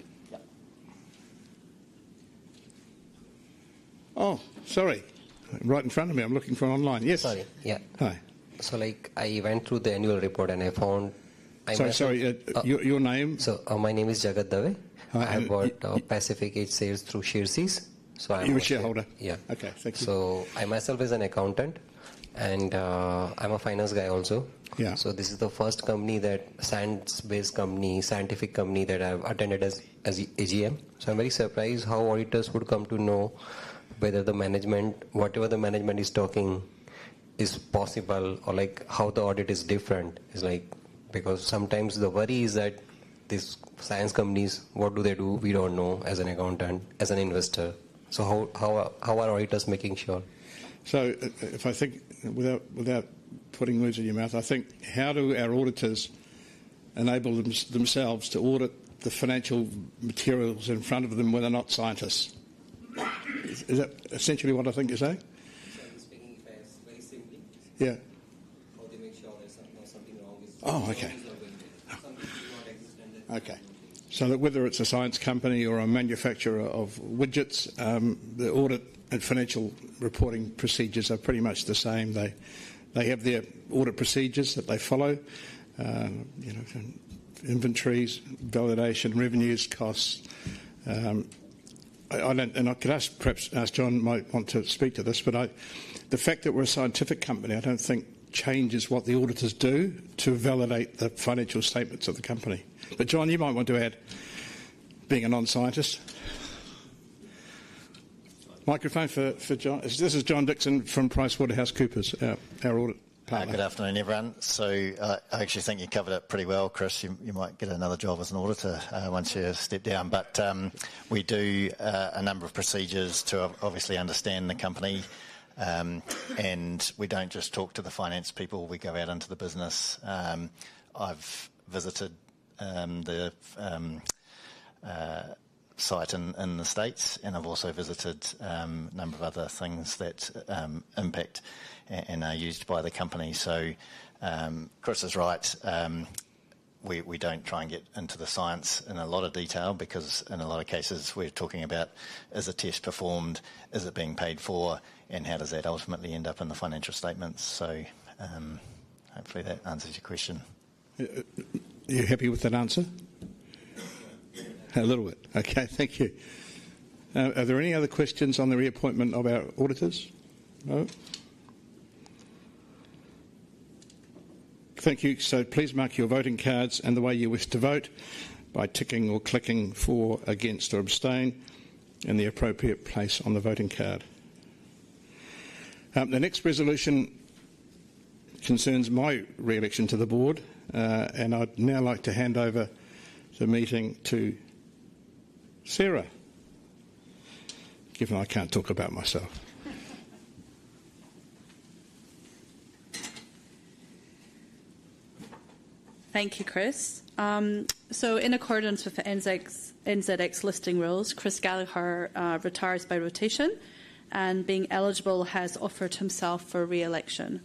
Oh, sorry. Right in front of me. I'm looking for online. Yes. Sorry. Yeah. Hi. I went through the annual report and I found. Sorry. Your name? My name is [Zagat Dawe]. I bought Pacific Edge shares through Sharesies. You're a shareholder? Yeah. Okay, thank you. I myself am an accountant and I'm a finance guy also. This is the first company, a science-based company, scientific company that I've attended as AGM. I'm very surprised how auditors would come to know whether the management, whatever the management is talking, is possible or like how the audit is different. It's like sometimes the worry is that these science companies, what do they do? We don't know as an accountant, as an investor. How are auditors making sure? If I think, without putting words in your mouth, I think how do our auditors enable themselves to audit the financial materials in front of them when they're not scientists? Is that essentially what I think you're saying? Yeah. How do you make sure there's not something wrong? Oh, okay. Okay. Whether it's a science company or a manufacturer of widgets, the audit and financial reporting procedures are pretty much the same. They have their audit procedures that they follow, inventories, validation, revenues, costs. I could ask, perhaps as John might want to speak to this, but the fact that we're a scientific company, I don't think changes what the auditors do to validate the financial statements of the company. John, you might want to add, being a non-scientist. Microphone for John. This is John Dixon from PricewaterhouseCoopers, our audit. Good afternoon, everyone. I actually think you covered it pretty well, Chris. You might get another job as an auditor once you step down. We do a number of procedures to obviously understand the company, and we don't just talk to the finance people. We go out into the business. I've visited the site in the United States, and I've also visited a number of other things that impact and are used by the company. Chris is right. We don't try and get into the science in a lot of detail because in a lot of cases, we're talking about, is a test performed, is it being paid for, and how does that ultimately end up in the financial statements? Hopefully that answers your question. You're happy with that answer? A little bit. Okay. Thank you. Are there any other questions on the reappointment of our auditors? No? Thank you. Please mark your voting cards in the way you wish to vote by ticking or clicking for, against, or abstain in the appropriate place on the voting card. The next resolution concerns my reelection to the Board, and I'd now like to hand over the meeting to Sarah, given I can't talk about myself. Thank you, Chris. In accordance with the NZX listing rules, Chris Gallaher retires by rotation, and being eligible has offered himself for reelection.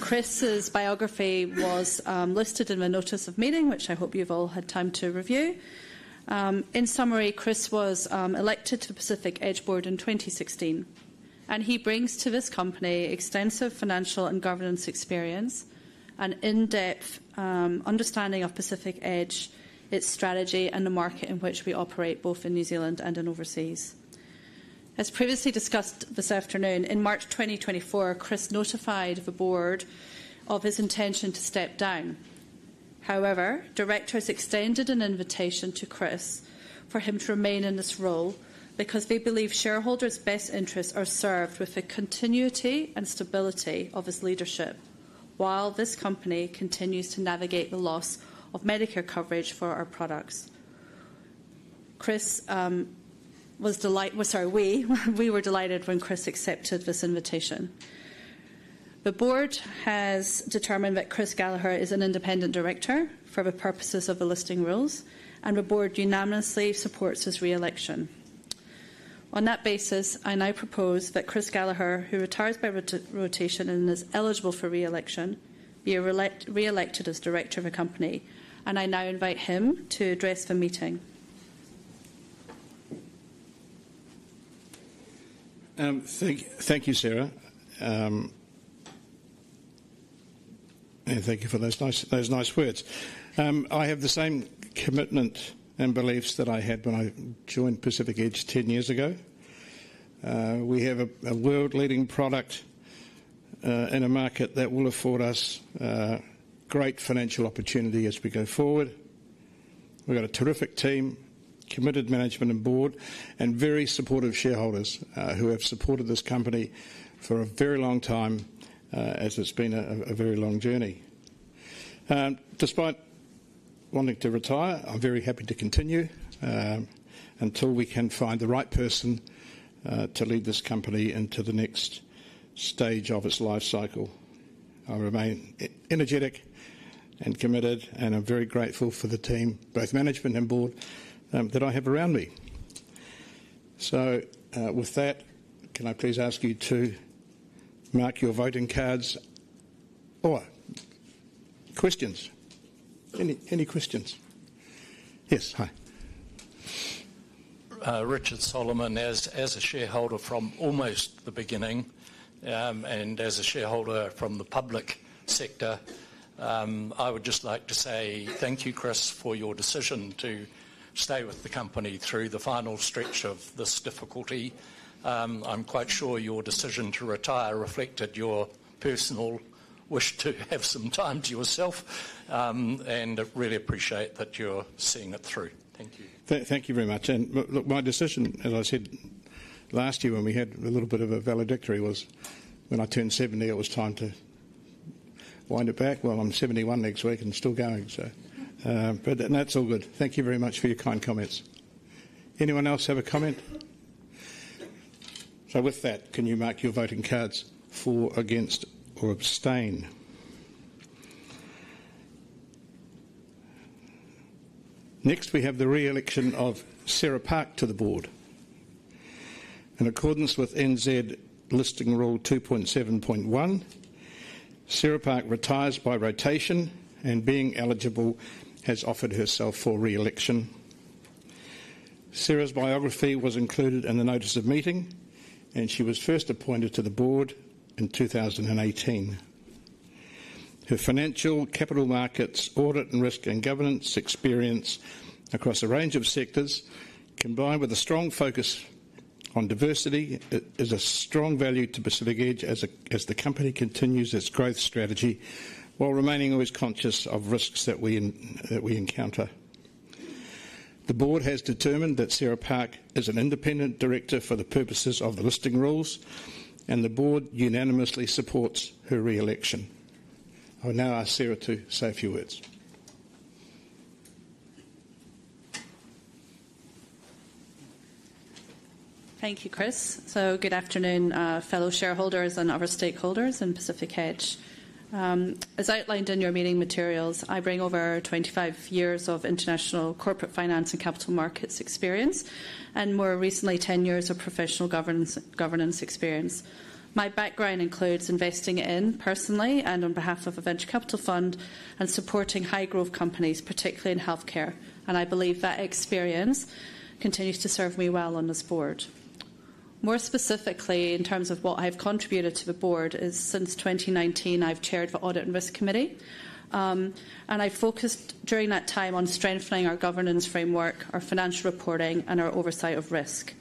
Chris's biography was listed in the notice of meeting, which I hope you've all had time to review. In summary, Chris was elected to the Pacific Edge Board in 2016, and he brings to this company extensive financial and governance experience, an in-depth understanding of Pacific Edge, its strategy, and the market in which we operate, both in New Zealand and overseas. As previously discussed this afternoon, in March 2024, Chris notified the board of his intention to step down. However, directors extended an invitation to Chris for him to remain in this role because they believe shareholders' best interests are served with the continuity and stability of his leadership while this company continues to navigate the loss of Medicare coverage for our products. We were delighted when Chris accepted this invitation. The board has determined that Chris Gallaher is an independent director for the purposes of the listing rules, and the board unanimously supports his reelection. On that basis, I now propose that Chris Gallaher, who retires by rotation and is eligible for reelection, be reelected as director of the company, and I now invite him to address the meeting. Thank you, Sarah. Thank you for those nice words. I have the same commitment and beliefs that I had when I joined Pacific Edge 10 years ago. We have a world-leading product in a market that will afford us great financial opportunity as we go forward. We've got a terrific team, committed management and board, and very supportive shareholders who have supported this company for a very long time, as it's been a very long journey. Despite wanting to retire, I'm very happy to continue until we can find the right person to lead this company into the next stage of its life cycle. I remain energetic and committed, and I'm very grateful for the team, both management and board, that I have around me. With that, can I please ask you to mark your voting cards? Questions? Any questions? Yes, hi. Richard Solomon, as a shareholder from almost the beginning and as a shareholder from the public sector, I would just like to say thank you, Chris, for your decision to stay with the company through the final stretch of this difficulty. I'm quite sure your decision to retire reflected your personal wish to have some time to yourself, and I really appreciate that you're seeing it through. Thank you. Thank you very much. My decision, as I said last year when we had a little bit of a valedictory, was when I turned 70, it was time to wind it back. I'm 71 next week and still going, so that's all good. Thank you very much for your kind comments. Anyone else have a comment? With that, can you mark your voting cards for, against, or abstain? Next, we have the reelection of Sarah Park to the board. In accordance with NZ listing rule 2.7.1, Sarah Park retires by rotation and being eligible has offered herself for reelection. Sarah's biography was included in the notice of meeting, and she was first appointed to the board in 2018. Her financial capital markets audit and risk and governance experience across a range of sectors, combined with a strong focus on diversity, is a strong value to Pacific Edge as the company continues its growth strategy while remaining always conscious of risks that we encounter. The board has determined that Sarah Park is an independent director for the purposes of the listing rules, and the board unanimously supports her reelection. I will now ask Sarah to say a few words. Thank you, Chris. Good afternoon, fellow shareholders and other stakeholders in Pacific Edge. As outlined in your meeting materials, I bring over 25 years of international corporate finance and capital markets experience, and more recently, 10 years of professional governance experience. My background includes investing in personally and on behalf of a venture capital fund and supporting high-growth companies, particularly in healthcare. I believe that experience continues to serve me well on this board. More specifically, in terms of what I've contributed to the board, since 2019, I've chaired the Audit and Risk Committee, and I've focused during that time on strengthening our governance framework, our financial reporting, and our oversight of risk.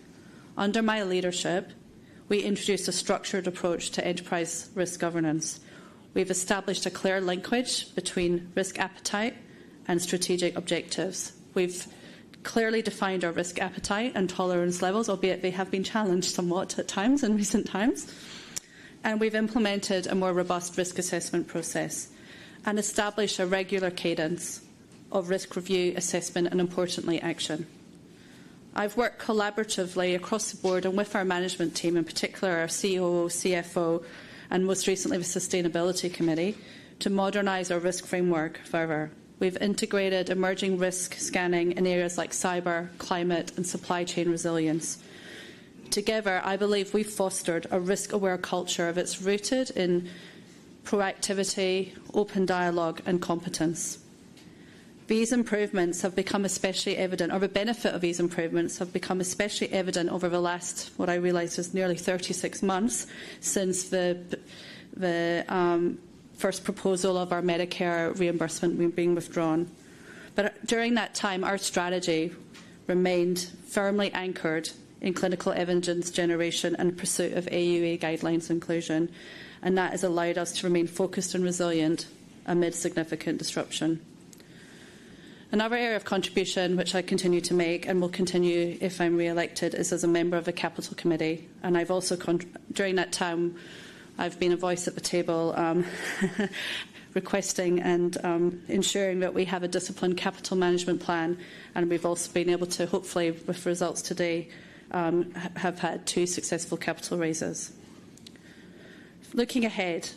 Under my leadership, we introduced a structured approach to enterprise risk governance. We've established a clear linkage between risk appetite and strategic objectives. We've clearly defined our risk appetite and tolerance levels, albeit they have been challenged somewhat at times in recent times. We've implemented a more robust risk assessment process and established a regular cadence of risk review, assessment, and importantly, action. I've worked collaboratively across the board and with our management team, in particular our CEO, CFO, and most recently the Sustainability Committee, to modernize our risk framework further. We've integrated emerging risk scanning in areas like cyber, climate, and supply chain resilience. Together, I believe we've fostered a risk-aware culture that's rooted in proactivity, open dialogue, and competence. These improvements have become especially evident, or the benefit of these improvements has become especially evident over the last, what I realize is nearly 36 months since the first proposal of our Medicare reimbursement being withdrawn. During that time, our strategy remained firmly anchored in clinical evidence generation and pursuit of AUA guidelines inclusion, and that has allowed us to remain focused and resilient amid significant disruption. Another area of contribution which I continue to make and will continue if I'm reelected. A member of the Capital Committee, and I've also, during that time, I've been a voice at the table requesting and ensuring that we have a disciplined capital management plan. We've also been able to, hopefully, with results today, have had two successful capital raises. Looking ahead,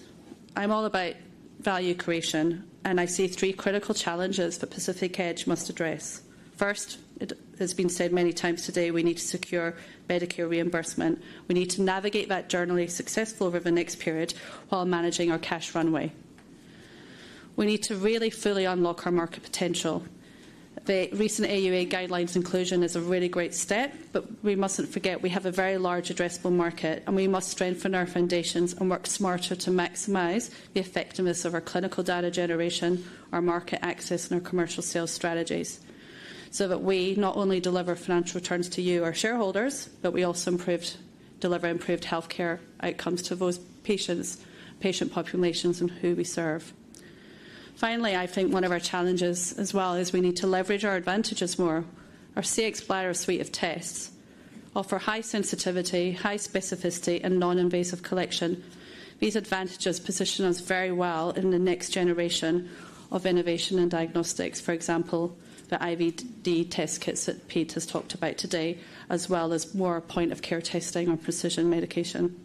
I'm all about value creation, and I see three critical challenges that Pacific Edge must address. First, it has been said many times today, we need to secure Medicare reimbursement. We need to navigate that journey successfully over the next period while managing our cash runway. We need to really fully unlock our market potential. The recent AUA guidelines inclusion is a really great step, but we mustn't forget we have a very large addressable market, and we must strengthen our foundations and work smarter to maximize the effectiveness of our clinical data generation, our market access, and our commercial sales strategies so that we not only deliver financial returns to you, our shareholders, but we also deliver improved healthcare outcomes to those patients, patient populations, and who we serve. Finally, I think one of our challenges as well is we need to leverage our advantages more. Our Cxbladder suite of tests offer high sensitivity, high specificity, and non-invasive collection. These advantages position us very well in the next generation of innovation and diagnostics. For example, the IVD test kits that Pete has talked about today, as well as more point-of-care testing or precision medication.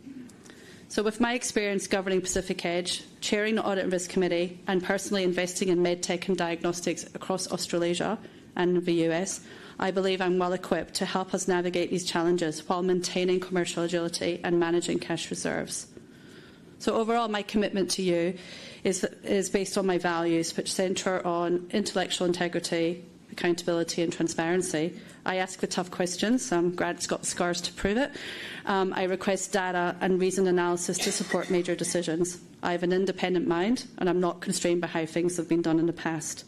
With my experience governing Pacific Edge, chairing the Audit and Risk Committee, and personally investing in medtech and diagnostics across Australasia and the U.S., I believe I'm well equipped to help us navigate these challenges while maintaining commercial agility and managing cash reserves. Overall, my commitment to you is based on my values, which center on intellectual integrity, accountability, and transparency. I ask the tough questions. Grant's got the scars to prove it. I request data and reason analysis to support major decisions. I have an independent mind, and I'm not constrained by how things have been done in the past.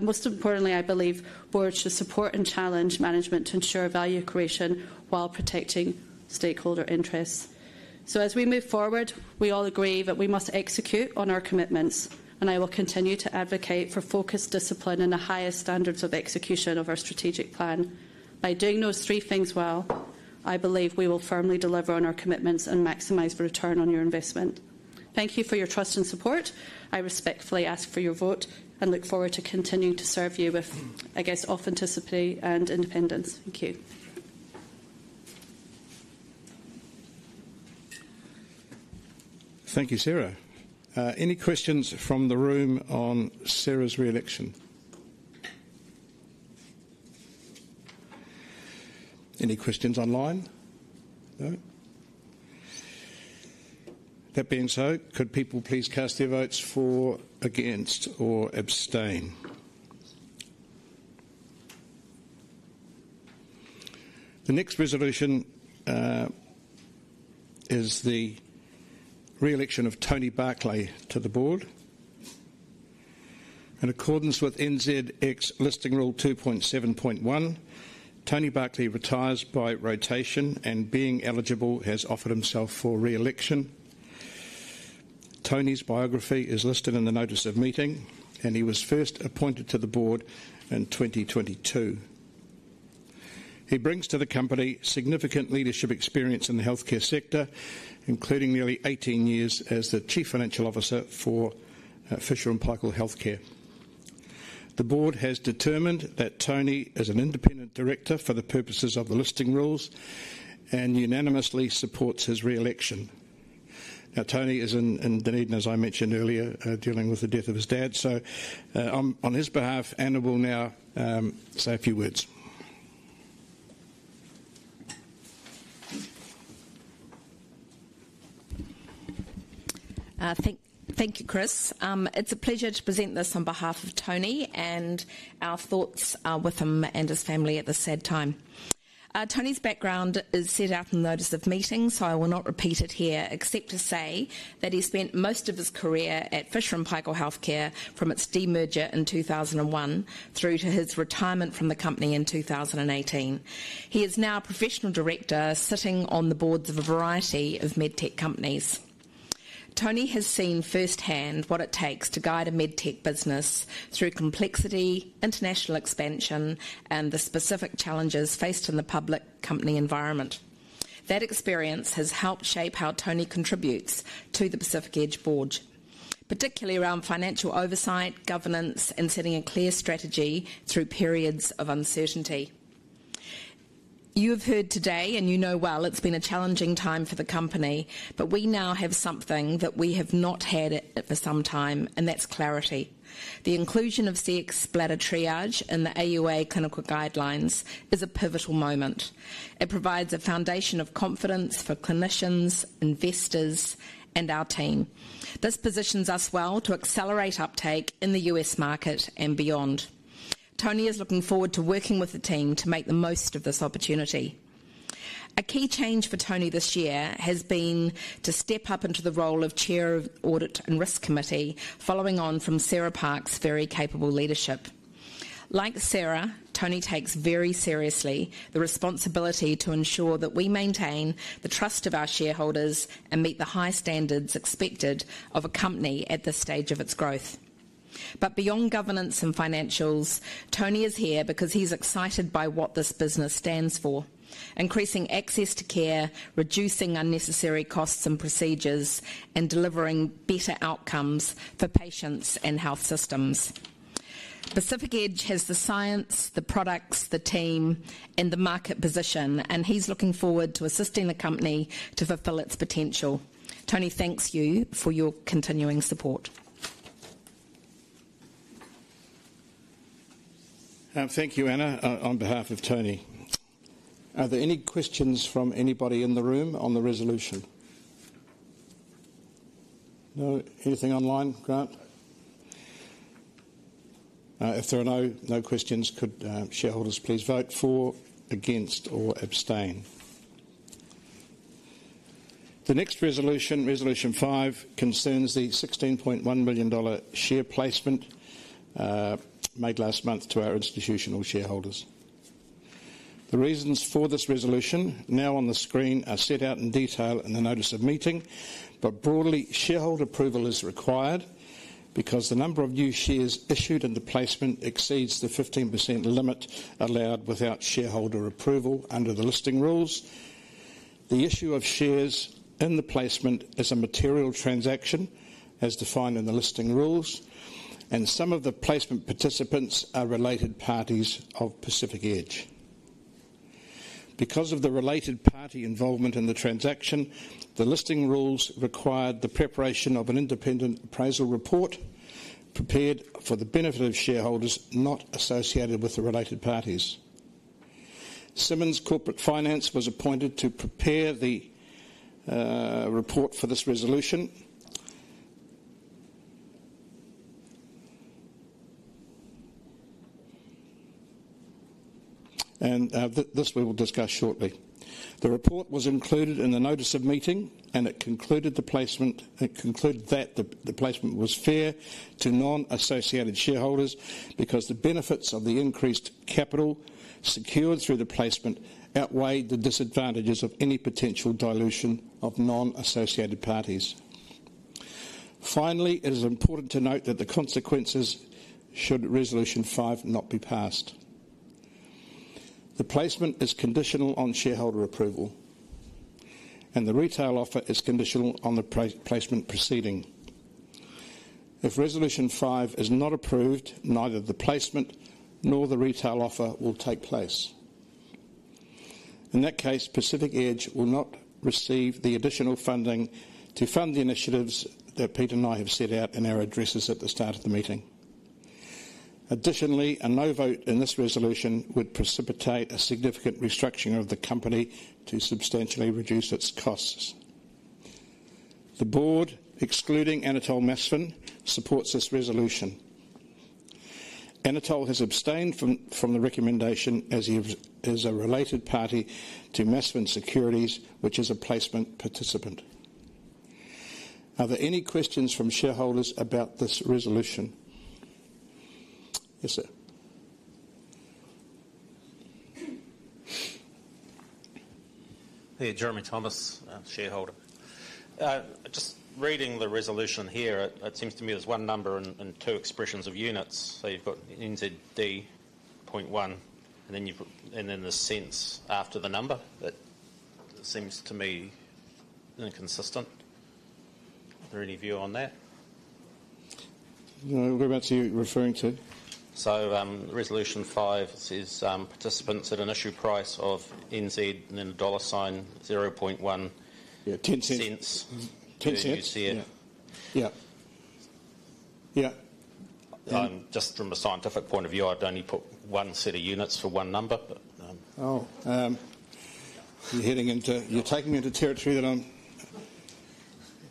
Most importantly, I believe boards should support and challenge management to ensure value creation while protecting stakeholder interests. As we move forward, we all agree that we must execute on our commitments, and I will continue to advocate for focused discipline and the highest standards of execution of our strategic plan. By doing those three things well, I believe we will firmly deliver on our commitments and maximize the return on your investment. Thank you for your trust and support. I respectfully ask for your vote and look forward to continuing to serve you with, I guess, authenticity and independence. Thank you. Thank you, Sarah. Any questions from the room on Sarah's reelection? Any questions online? No? That being so, could people please cast their votes for, against, or abstain? The next resolution is the reelection of Tony Barclay to the board. In accordance with NZX Listing Rule 2.7.1, Tony Barclay retires by rotation and, being eligible, has offered himself for reelection. Tony's biography is listed in the notice of meeting, and he was first appointed to the board in 2022. He brings to the company significant leadership experience in the healthcare sector, including nearly 18 years as the Chief Financial Officer for Fisher & Paykel Healthcare. The board has determined that Tony is an independent director for the purposes of the listing rules and unanimously supports his reelection. Tony is in Dunedin, as I mentioned earlier, dealing with the death of his dad. On his behalf, Anna will now say a few words. Thank you, Chris. It's a pleasure to present this on behalf of Tony and our thoughts with him and his family at this sad time. Tony's background is set out in the notice of meeting, so I will not repeat it here, except to say that he spent most of his career at Fisher & Paykel Healthcare from its demerger in 2001 through to his retirement from the company in 2018. He is now a professional director sitting on the boards of a variety of medtech companies. Tony has seen firsthand what it takes to guide a medtech business through complexity, international expansion, and the specific challenges faced in the public company environment. That experience has helped shape how Tony contributes to the Pacific Edge board, particularly around financial oversight, governance, and setting a clear strategy through periods of uncertainty. You have heard today, and you know well, it's been a challenging time for the company, but we now have something that we have not had for some time, and that's clarity. The inclusion of Cxbladder Triage in the AUA clinical guidelines is a pivotal moment. It provides a foundation of confidence for clinicians, investors, and our team. This positions us well to accelerate uptake in the U.S. market and beyond. Tony is looking forward to working with the team to make the most of this opportunity. A key change for Tony this year has been to step up into the role of Chair of Audit and Risk Committee, following on from Sarah Park's very capable leadership. Like Sarah, Tony takes very seriously the responsibility to ensure that we maintain the trust of our shareholders and meet the high standards expected of a company at this stage of its growth. Beyond governance and financials, Tony is here because he's excited by what this business stands for: increasing access to care, reducing unnecessary costs and procedures, and delivering better outcomes for patients and health systems. Pacific Edge has the science, the products, the team, and the market position, and he's looking forward to assisting the company to fulfill its potential. Tony thanks you for your continuing support. Thank you, Anna, on behalf of Tony. Are there any questions from anybody in the room on the resolution? No? Anything online, Grant? If there are no questions, could shareholders please vote for, against, or abstain? The next resolution, Resolution 5, concerns the 16.1 million dollar share placement made last month to our institutional shareholders. The reasons for this resolution now on the screen are set out in detail in the notice of meeting, but broadly, shareholder approval is required because the number of new shares issued in the placement exceeds the 15% limit allowed without shareholder approval under the listing rules. The issue of shares in the placement is a material transaction as defined in the listing rules, and some of the placement participants are related parties of Pacific Edge. Because of the related party involvement in the transaction, the listing rules required the preparation of an independent appraisal report prepared for the benefit of shareholders not associated with the related parties. Simmons Corporate Finance was appointed to prepare the report for this resolution, and this we will discuss shortly. The report was included in the notice of meeting, and it concluded that the placement was fair to non-associated shareholders because the benefits of the increased capital secured through the placement outweighed the disadvantages of any potential dilution of non-associated parties. Finally, it is important to note the consequences should Resolution 5 not be passed. The placement is conditional on shareholder approval, and the retail offer is conditional on the placement proceeding. If Resolution 5 is not approved, neither the placement nor the retail offer will take place. In that case, Pacific Edge will not receive the additional funding to fund the initiatives that Pete and I have set out in our addresses at the start of the meeting. Additionally, a no vote in this resolution would precipitate a significant restructuring of the company to substantially reduce its costs. The board, excluding Anatole Masfen, supports this resolution. Anatole has abstained from the recommendation as he is a related party to Masfen Securities, which is a placement participant. Are there any questions from shareholders about this resolution? Yes, sir. Here, Jeremy Thomas, shareholder. Just reading the resolution here, it seems to me there's one number and two expressions of units. You've got 0.1, and then the cents after the number. It seems to me inconsistent. Are there any view on that? No, what are you referring to? Resolution 5 says participants at an issue price of NZD 0.10. Yeah, 0.10 dollar. 0.1. Yeah, Yeah. Just from a scientific point of view, I'd only put one set of units for one number. Oh, you're taking me into territory that I'm,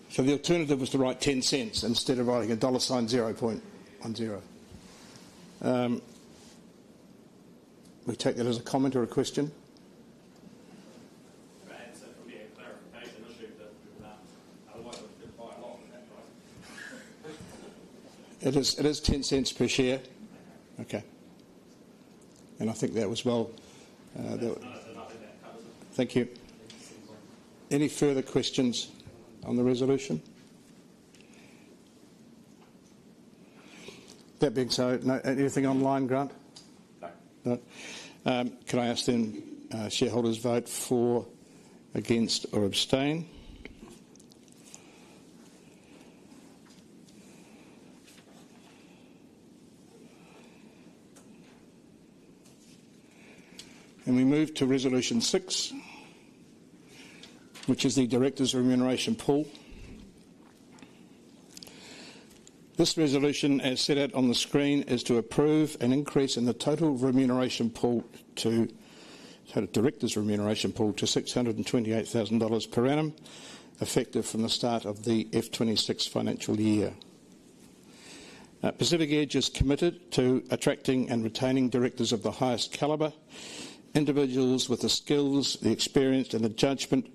so the alternative was to write 0.10 instead of writing a dollar sign, 0.10. We take that as a comment or a question? It is 0.10 per share. Okay. I think that was well. Thank you. Any further questions on the resolution? That being so, no, anything online, Grant? No. No. Could I ask then shareholders vote for, against, or abstain? We move to Resolution 6, which is the Director's Remuneration Pool. This resolution, as set out on the screen, is to approve an increase in the total remuneration pool to, it had a Director's remuneration pool to 628,000 dollars per annum, effective from the start of the FY 26 financial year. Pacific Edge is committed to attracting and retaining directors of the highest caliber, individuals with the skills, the experience, and the judgment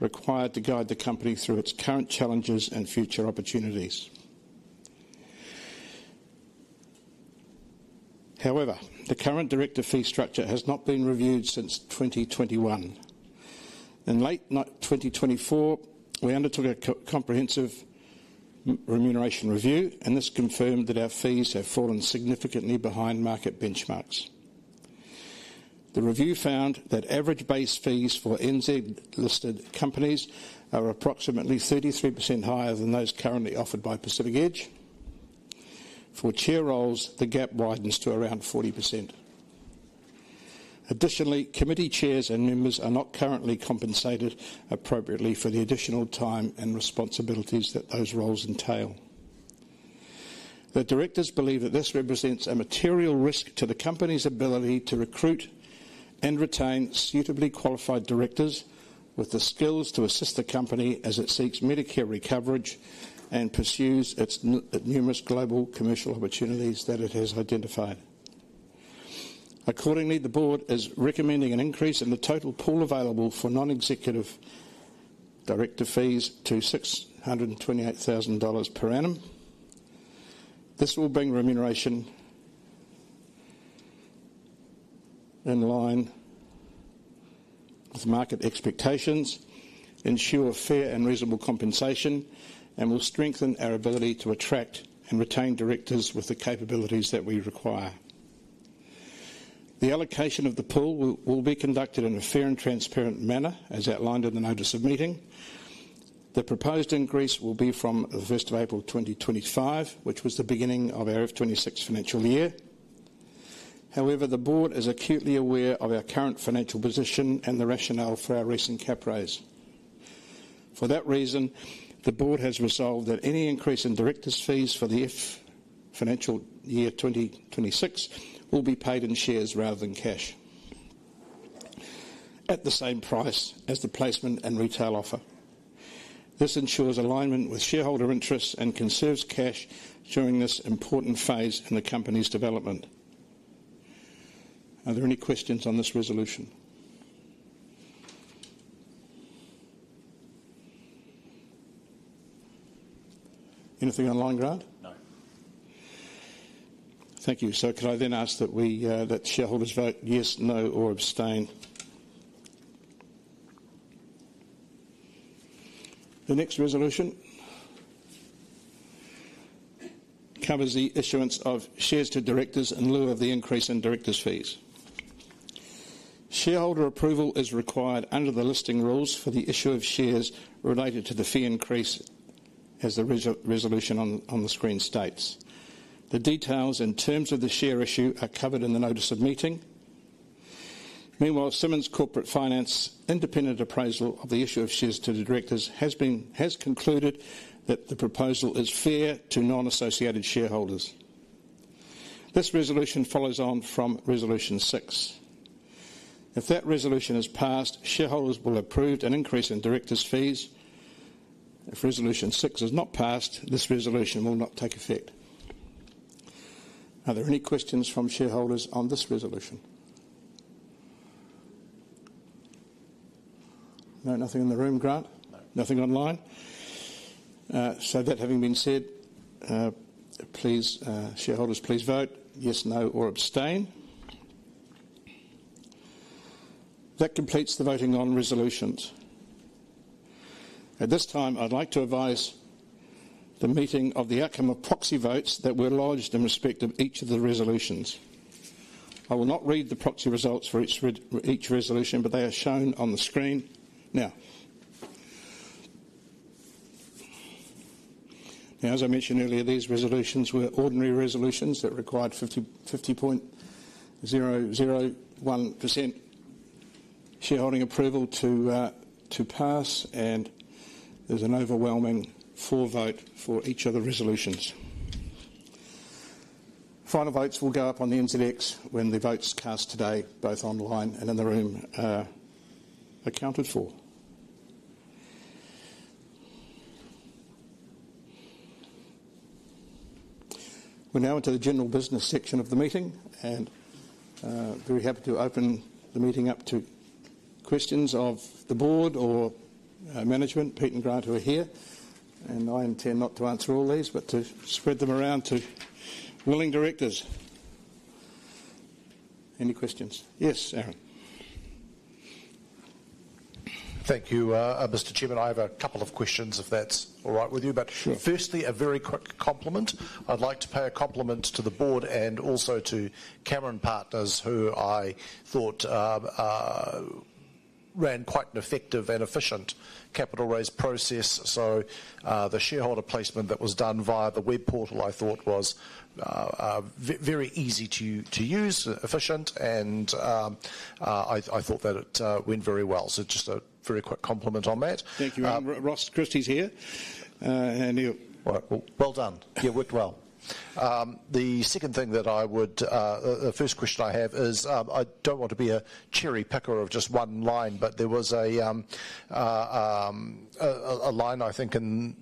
required to guide the company through its current challenges and future opportunities. However, the current director fee structure has not been reviewed since 2021. In late 2024, we undertook a comprehensive remuneration review, and this confirmed that our fees have fallen significantly behind market benchmarks. The review found that average base fees for NZ-listed companies are approximately 33% higher than those currently offered by Pacific Edge. For chair roles, the gap widens to around 40%. Additionally, committee chairs and members are not currently compensated appropriately for the additional time and responsibilities that those roles entail. The directors believe that this represents a material risk to the company's ability to recruit and retain suitably qualified directors with the skills to assist the company as it seeks Medicare recovery and pursues its numerous global commercial opportunities that it has identified. Accordingly, the board is recommending an increase in the total pool available for non-executive director fees to 628,000 dollars per annum. This will bring remuneration in line with market expectations, ensure fair and reasonable compensation, and will strengthen our ability to attract and retain directors with the capabilities that we require. The allocation of the pool will be conducted in a fair and transparent manner, as outlined in the notice of meeting. The proposed increase will be from the 1st of April 2025, which was the beginning of our FY 26 financial year. However, the board is acutely aware of our current financial position and the rationale for our recent capital raise. For that reason, the board has resolved that any increase in director's fees for the financial year 2026 will be paid in shares rather than cash, at the same price as the placement and retail offer. This ensures alignment with shareholder interests and conserves cash during this important phase in the company's development. Are there any questions on this resolution? Anything online, Grant? No. Thank you. Could I then ask that shareholders vote yes, no, or abstain? The next resolution covers the issuance of shares to directors in lieu of the increase in directors' fees. Shareholder approval is required under the listing rules for the issue of shares related to the fee increase, as the resolution on the screen states. The details and terms of the share issue are covered in the notice of meeting. Meanwhile, Simmons Corporate Finance's independent appraisal of the issue of shares to the directors has concluded that the proposal is fair to non-associated shareholders. This resolution follows on from Resolution 6. If that resolution is passed, shareholders will approve an increase in directors' fees. If Resolution 6 is not passed, this resolution will not take effect. Are there any questions from shareholders on this resolution? No, nothing in the room, Grant? Nothing online. That having been said, shareholders, please vote yes, no, or abstain. That completes the voting on resolutions. At this time, I'd like to advise the meeting of the outcome of proxy votes that were lodged in respect of each of the resolutions. I will not read the proxy results for each resolution, but they are shown on the screen now. As I mentioned earlier, these resolutions were ordinary resolutions that required 50.001% shareholding approval to pass, and there's an overwhelming for vote for each of the resolutions. Final votes will go up on the NZX when the votes cast today, both online and in the room, are accounted for. We're now into the general business section of the meeting, and I'm very happy to open the meeting up to questions of the board or management, Pete and Grant, who are here. I intend not to answer all these, but to spread them around to willing directors. Any questions? Yes, Aaron. Thank you, Mr. Chairman. I have a couple of questions, if that's all right with you. Firstly, a very quick compliment. I'd like to pay a compliment to the Board and also to Cameron Partners, who I thought ran quite an effective and efficient capital raise process. The shareholder placement that was done via the web portal, I thought, was very easy to use, efficient, and I thought that it went very well. Just a very quick compliment on that. Thank you. Ross Christie is here. Yeah, it worked well. The second thing that I would, the first question I have is, I don't want to be a cherry picker of just one line, but there was a line, I think, in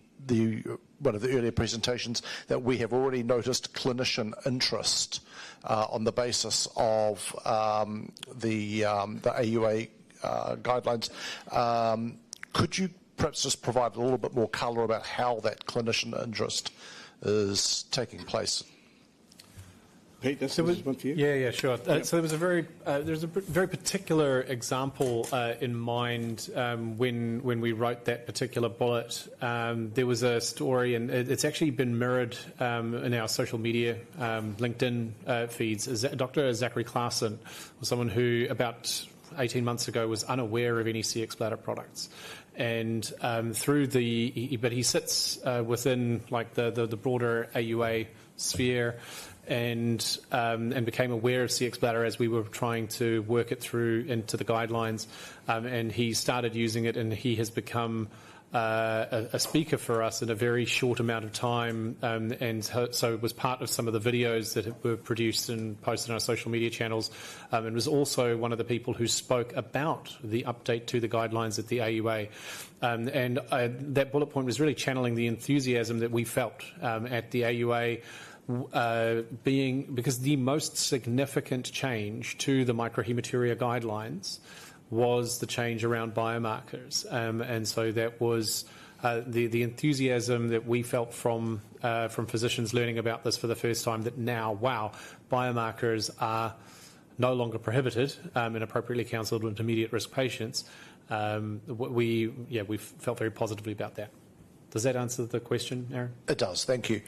one of the earlier presentations that we have already noticed clinician interest on the basis of the AUA guidelines. Could you perhaps just provide a little bit more color about how that clinician interest is taking place? Pete, that's yours. One for you. Yeah, sure. There was a very particular example in mind when we wrote that particular bullet. There was a story, and it's actually been mirrored in our social media LinkedIn feeds. Dr. Zachary Classen, someone who about 18 months ago was unaware of any Cxbladder products, sits within the broader AUA sphere and became aware of Cxbladder as we were trying to work it through into the guidelines. He started using it, and he has become a speaker for us in a very short amount of time. He was part of some of the videos that were produced and posted on our social media channels. He was also one of the people who spoke about the update to the guidelines at the AUA. That bullet point was really channeling the enthusiasm that we felt at the AUA, because the most significant change to the microhematuria guidelines was the change around biomarkers. That was the enthusiasm that we felt from physicians learning about this for the first time, that now, wow, biomarkers are no longer prohibited in appropriately counseled with intermediate risk patients. Yeah, we felt very positively about that. Does that answer the question? It does. Thank you.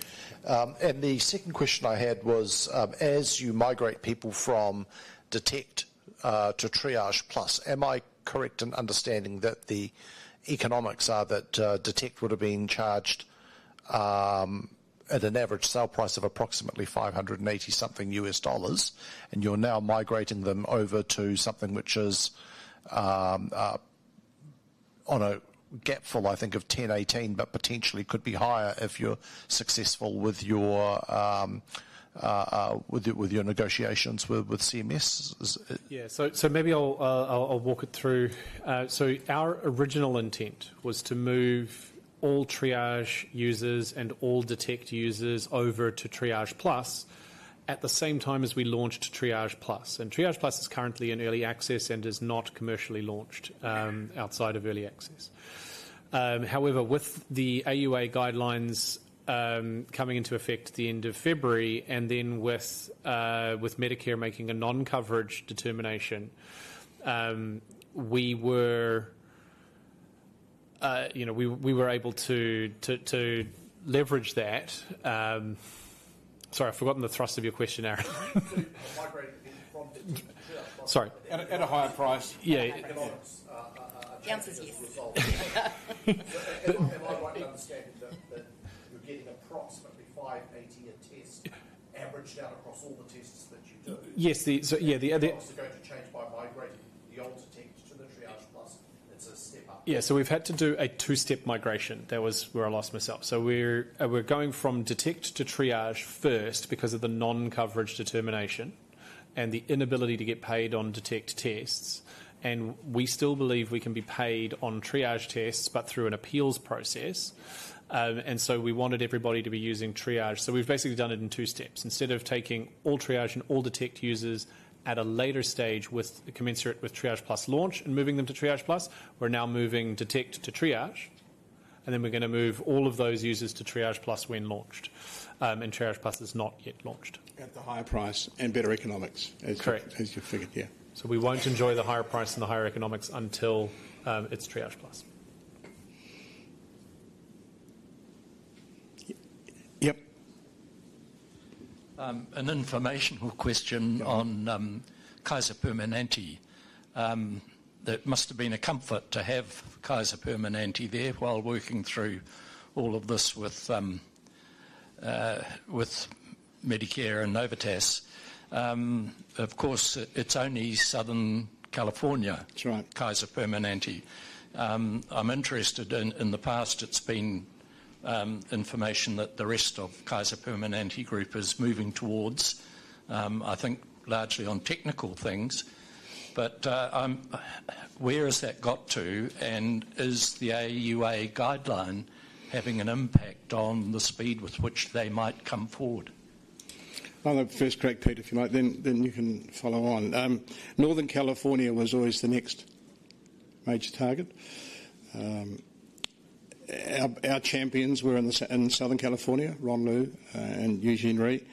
The second question I had was, as you migrate people from Detect to Triage-Plus, am I correct in understanding that the economics are that Detect would have been charged at an average sale price of approximately $580-something, and you're now migrating them over to something which is on a gap fill, I think, of $1,018, but potentially could be higher if you're successful with your negotiations with CMS? Maybe I'll walk it through. Our original intent was to move all Triage users and all Detect users over to Triage-Plus at the same time as we launched Triage-Plus. Triage-Plus is currently in early access and is not commercially launched outside of early access. With the AUA guidelines coming into effect at the end of February and with Medicare making a non-coverage determination, we were able to leverage that. Sorry, I've forgotten the thrust of your question, Aaron. Sorry. At a higher price? Yeah. The answer's yes. What I've understood is that we're getting approximately $580 a test averaged out across the. Yes, yeah. Go to change by migrating the old Detect to the Triage. We've had to do a two-step migration. That was where I lost myself. We're going from Detect to Triage first because of the non-coverage determination and the inability to get paid on Detect tests. We still believe we can be paid on Triage tests, but through an appeals process. We wanted everybody to be using Triage. We've basically done it in two steps. Instead of taking all Triage and all Detect users at a later stage commensurate with Triage-Plus launch and moving them to Triage-Plus, we're now moving Detect to Triage. We're going to move all of those users to Triage-Plus when launched. Triage-Plus is not yet launched. At the higher price and better economics, as you figured, yeah. Correct. We won't enjoy the higher price and the higher economics until it's Triage-Plus. Yep. An informational question on Kaiser Permanente. It must have been a comfort to have Kaiser Permanente there while working through all of this with Medicare and Novitas. Of course, it's only Southern California, Kaiser Permanente. I'm interested in the past. It's been information that the rest of Kaiser Permanente group is moving towards, I think, largely on technical things. Where has that got to? Is the AUA guideline having an impact on the speed with which they might come forward? I'll have a first crack, Pete, if you might. Then we can follow on. Northern California was always the next major target. Our champions were in Southern California, Ron Liu and Eugene Rhee.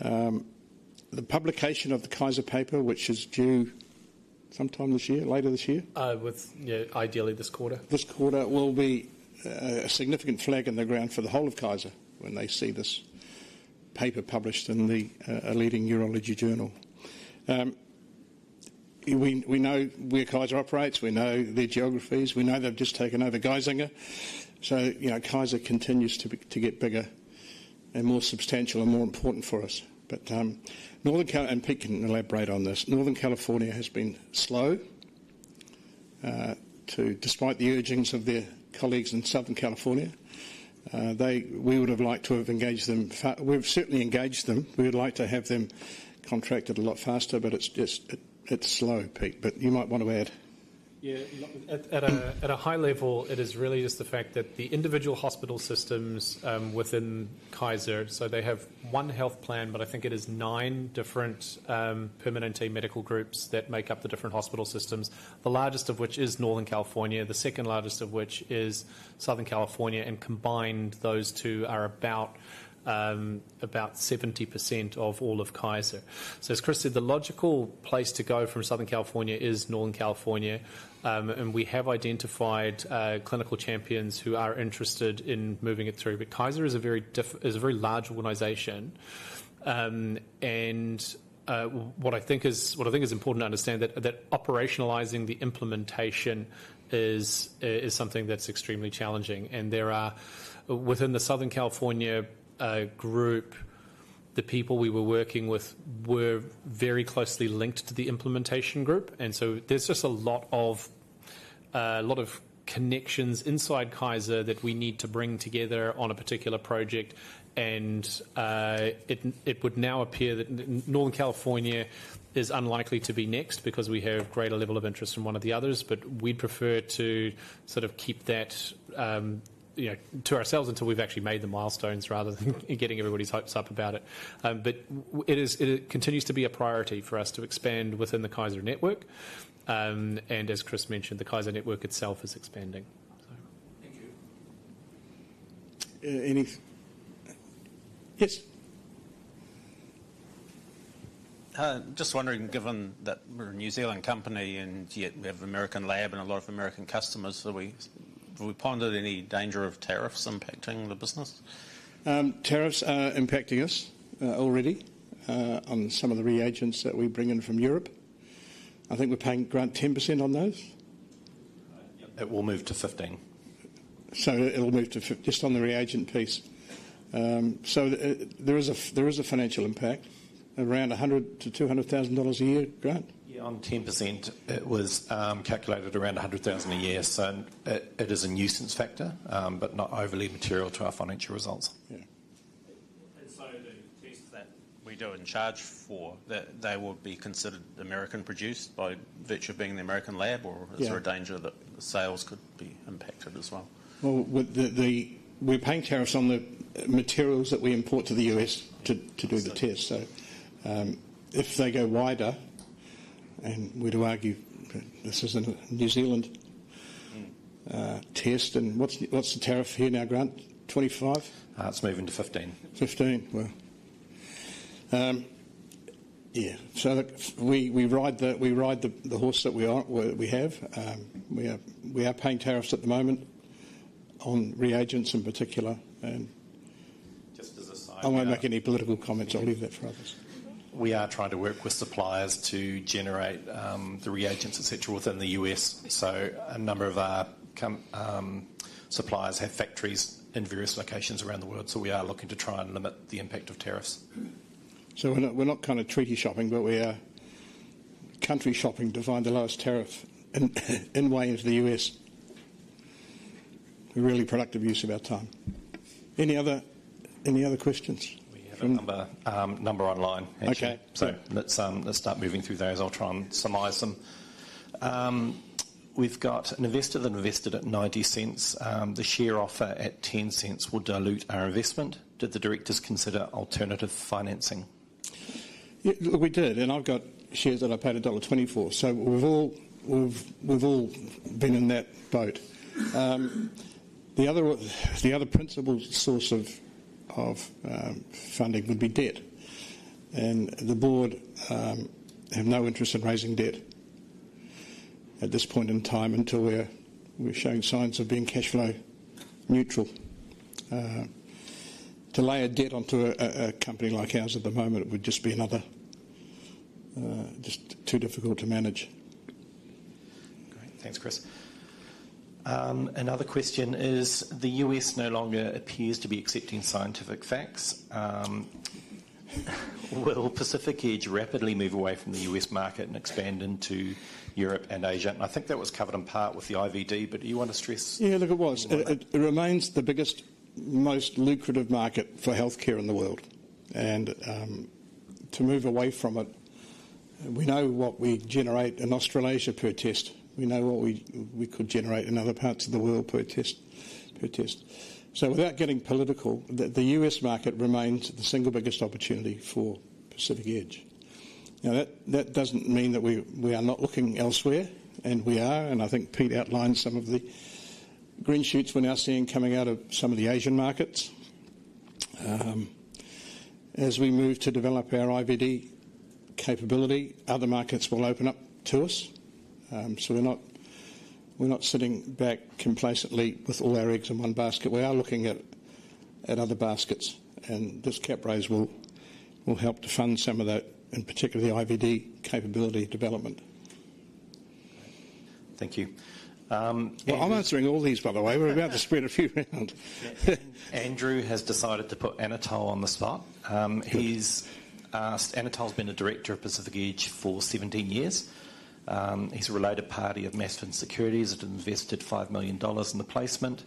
The publication of the Kaiser paper, which is due sometime this year, later this year? Yeah, ideally this quarter. This quarter will be a significant flag in the ground for the whole of Kaiser Permanente when they see this paper published in the leading urology journal. We know where Kaiser Permanente operates. We know their geographies. We know they've just taken over Geisinger. Kaiser Permanente continues to get bigger and more substantial and more important for us. Pete can elaborate on this. Northern California has been slow to, despite the urgings of their colleagues in Southern California. We would have liked to have engaged them. We've certainly engaged them. We would like to have them contracted a lot faster, but it's just, it's slow, Pete. You might want to add. Yeah, at a high level, it is really just the fact that the individual hospital systems within Kaiser, so they have one health plan, but I think it is nine different Permanente medical groups that make up the different hospital systems, the largest of which is Northern California, the second largest of which is Southern California. Combined, those two are about 70% of all of Kaiser. As Chris said, the logical place to go for Southern California is Northern California. We have identified clinical champions who are interested in moving it through. Kaiser is a very large organization. What I think is important to understand is that operationalizing the implementation is something that's extremely challenging. Within the Southern California group, the people we were working with were very closely linked to the implementation group. There are just a lot of connections inside Kaiser that we need to bring together on a particular project. It would now appear that Northern California is unlikely to be next because we have a greater level of interest from one of the others. We'd prefer to sort of keep that to ourselves until we've actually made the milestones rather than getting everybody's hopes up about it. It continues to be a priority for us to expand within the Kaiser network. As Chris mentioned, the Kaiser network itself is expanding. Yes. Just wondering, given that we're a New Zealand company and yet we have an American lab and a lot of American customers, have we pondered any danger of tariffs impacting the business? Tariffs are impacting us already on some of the reagents that we bring in from Europe. I think we're paying Grant 10% on those. It will move to 15%. It'll move to 15% just on the reagent piece. There is a financial impact around 100,000-200,000 dollars a year, Grant? Yeah, on 10%, it was calculated around 100,000 a year. It is a nuisance factor, but not overly material to our financial results. Yeah. That we don't charge for, that they will be considered American produced by virtue of being in the American lab, or is there a danger that the sales could be impacted as well? We're paying tariffs on the materials that we import to the U.S. to do the test. If they go wider, and we'd argue that this is a New Zealand test, what's the tariff here now, Grant? 25%? It's moving to 15. 15, wow. Yeah. We ride the horse that we have. We are paying tariffs at the moment on reagents in particular. Just as a side. I won't make any political comments. I'll leave that for others. We are trying to work with suppliers to generate the reagents, et cetera, within the U.S. A number of our suppliers have factories in various locations around the world. We are looking to try and limit the impact of tariffs. We are not kind of treaty shopping, but we are country shopping to find the lowest tariff in way of the U.S. A really productive use of our time. Any other questions? We have a number online. Okay. Let's start moving through those. I'll try and summarize them. We've got an investor that invested at 0.90. The share offer at 0.10 would dilute our investment. Did the directors consider alternative financing? We did. I've got shares that I paid dollar 1.24. We've all been in that boat. The other principal source of funding would be debt. The board has no interest in raising debt at this point in time until we're showing signs of being cash flow neutral. To lay a debt onto a company like ours at the moment would just be another, just too difficult to manage. Great. Thanks, Chris. Another question is, the U.S. no longer appears to be accepting scientific facts. Will Pacific Edge rapidly move away from the U.S. market and expand into Europe and Asia? I think that was covered in part with the IVD, but do you want to stress? Yeah, look, it was. It remains the biggest, most lucrative market for healthcare in the world. To move away from it, we know what we generate in Australasia per test. We know what we could generate in other parts of the world per test. Without getting political, the U.S. market remains the single biggest opportunity for Pacific Edge. That doesn't mean that we are not looking elsewhere, and we are. I think Pete outlined some of the green shoots we're now seeing coming out of some of the Asian markets. As we move to develop our IVD capability, other markets will open up to us. We're not sitting back complacently with all our eggs in one basket. We are looking at other baskets, and this capital raise will help to fund some of that, in particular the IVD capability development. Thank you. I'm answering all these, by the way. We're about to spin a few rounds. Andrew has decided to put Anatole on the spot. He's asked, Anatole's been the Director of Pacific Edge for 17 years. He's a related party of Masfen Securities. He's invested 5 million dollars in the placement.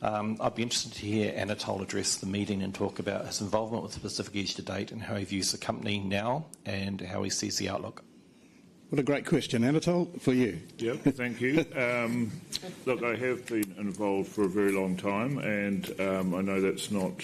I'd be interested to hear Anatole address the meeting and talk about his involvement with Pacific Edge to date and how he views the company now and how he sees the outlook. What a great question. Anatole, for you. Yeah, thank you. Look, I have been involved for a very long time, and I know that's not,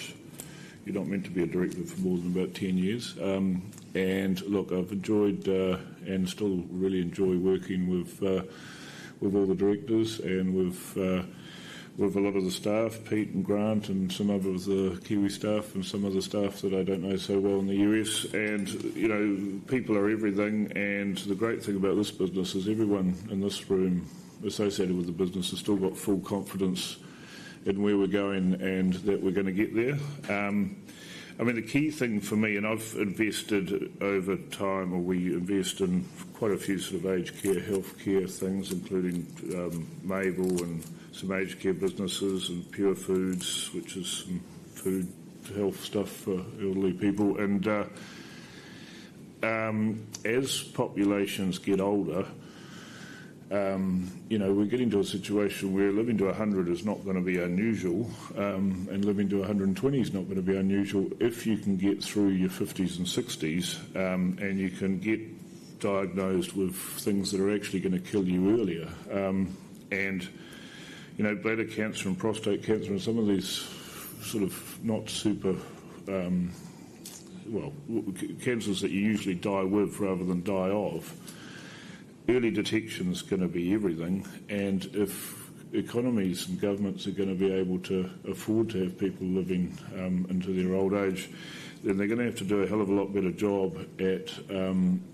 you're not meant to be a director for more than about 10 years. I've enjoyed and still really enjoy working with all the directors and with a lot of the staff, Pete and Grant and some of the Kiwi staff and some of the staff that I don't know so well in the U.S. People are everything. The great thing about this business is everyone in this room associated with the business has still got full confidence in where we're going and that we're going to get there. I mean, the key thing for me, and I've invested over time, or we invest in quite a few sort of aged care healthcare things, including Mabel and some aged care businesses and Pure Foods, which is some food to health stuff for elderly people. As populations get older, we're getting to a situation where living to 100 years is not going to be unusual, and living to 120 years is not going to be unusual if you can get through your 50s and 60s and you can get diagnosed with things that are actually going to kill you earlier. Bladder cancer and prostate cancer and some of these sort of not super, well, cancers that you usually die with rather than die of, early detection is going to be everything. If economies and governments are going to be able to afford to have people living into their old age, then they're going to have to do a hell of a lot better job at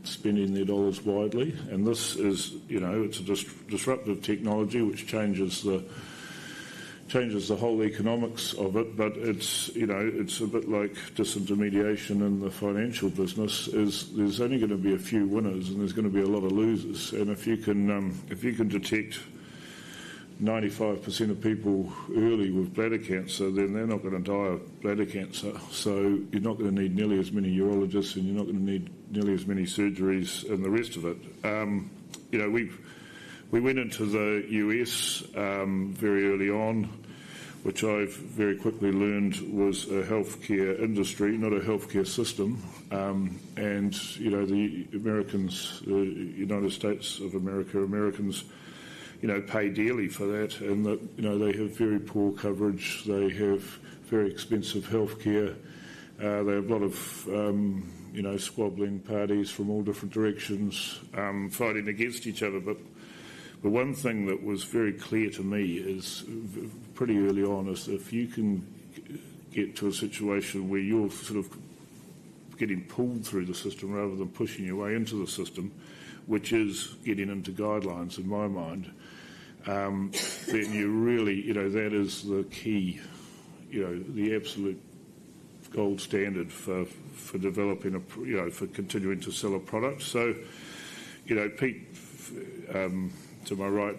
spending their dollars widely. This is, you know, it's a disruptive technology which changes the whole economics of it. It's a bit like disintermediation in the financial business. There's only going to be a few winners, and there's going to be a lot of losers. If you can detect 95% of people early with bladder cancer, then they're not going to die of bladder cancer. You're not going to need nearly as many urologists, and you're not going to need nearly as many surgeries and the rest of it. We went into the U.S. very early on, which I very quickly learned was a healthcare industry, not a healthcare system. The Americans, the United States of America, Americans, pay dearly for that. They have very poor coverage. They have very expensive healthcare. They have a lot of squabbling parties from all different directions fighting against each other. One thing that was very clear to me pretty early on is if you can get to a situation where you're sort of getting pulled through the system rather than pushing your way into the system, which is getting into guidelines in my mind, then you really, you know, that is the key, the absolute gold standard for developing a, you know, for continuing to sell a product. Pete, to my right,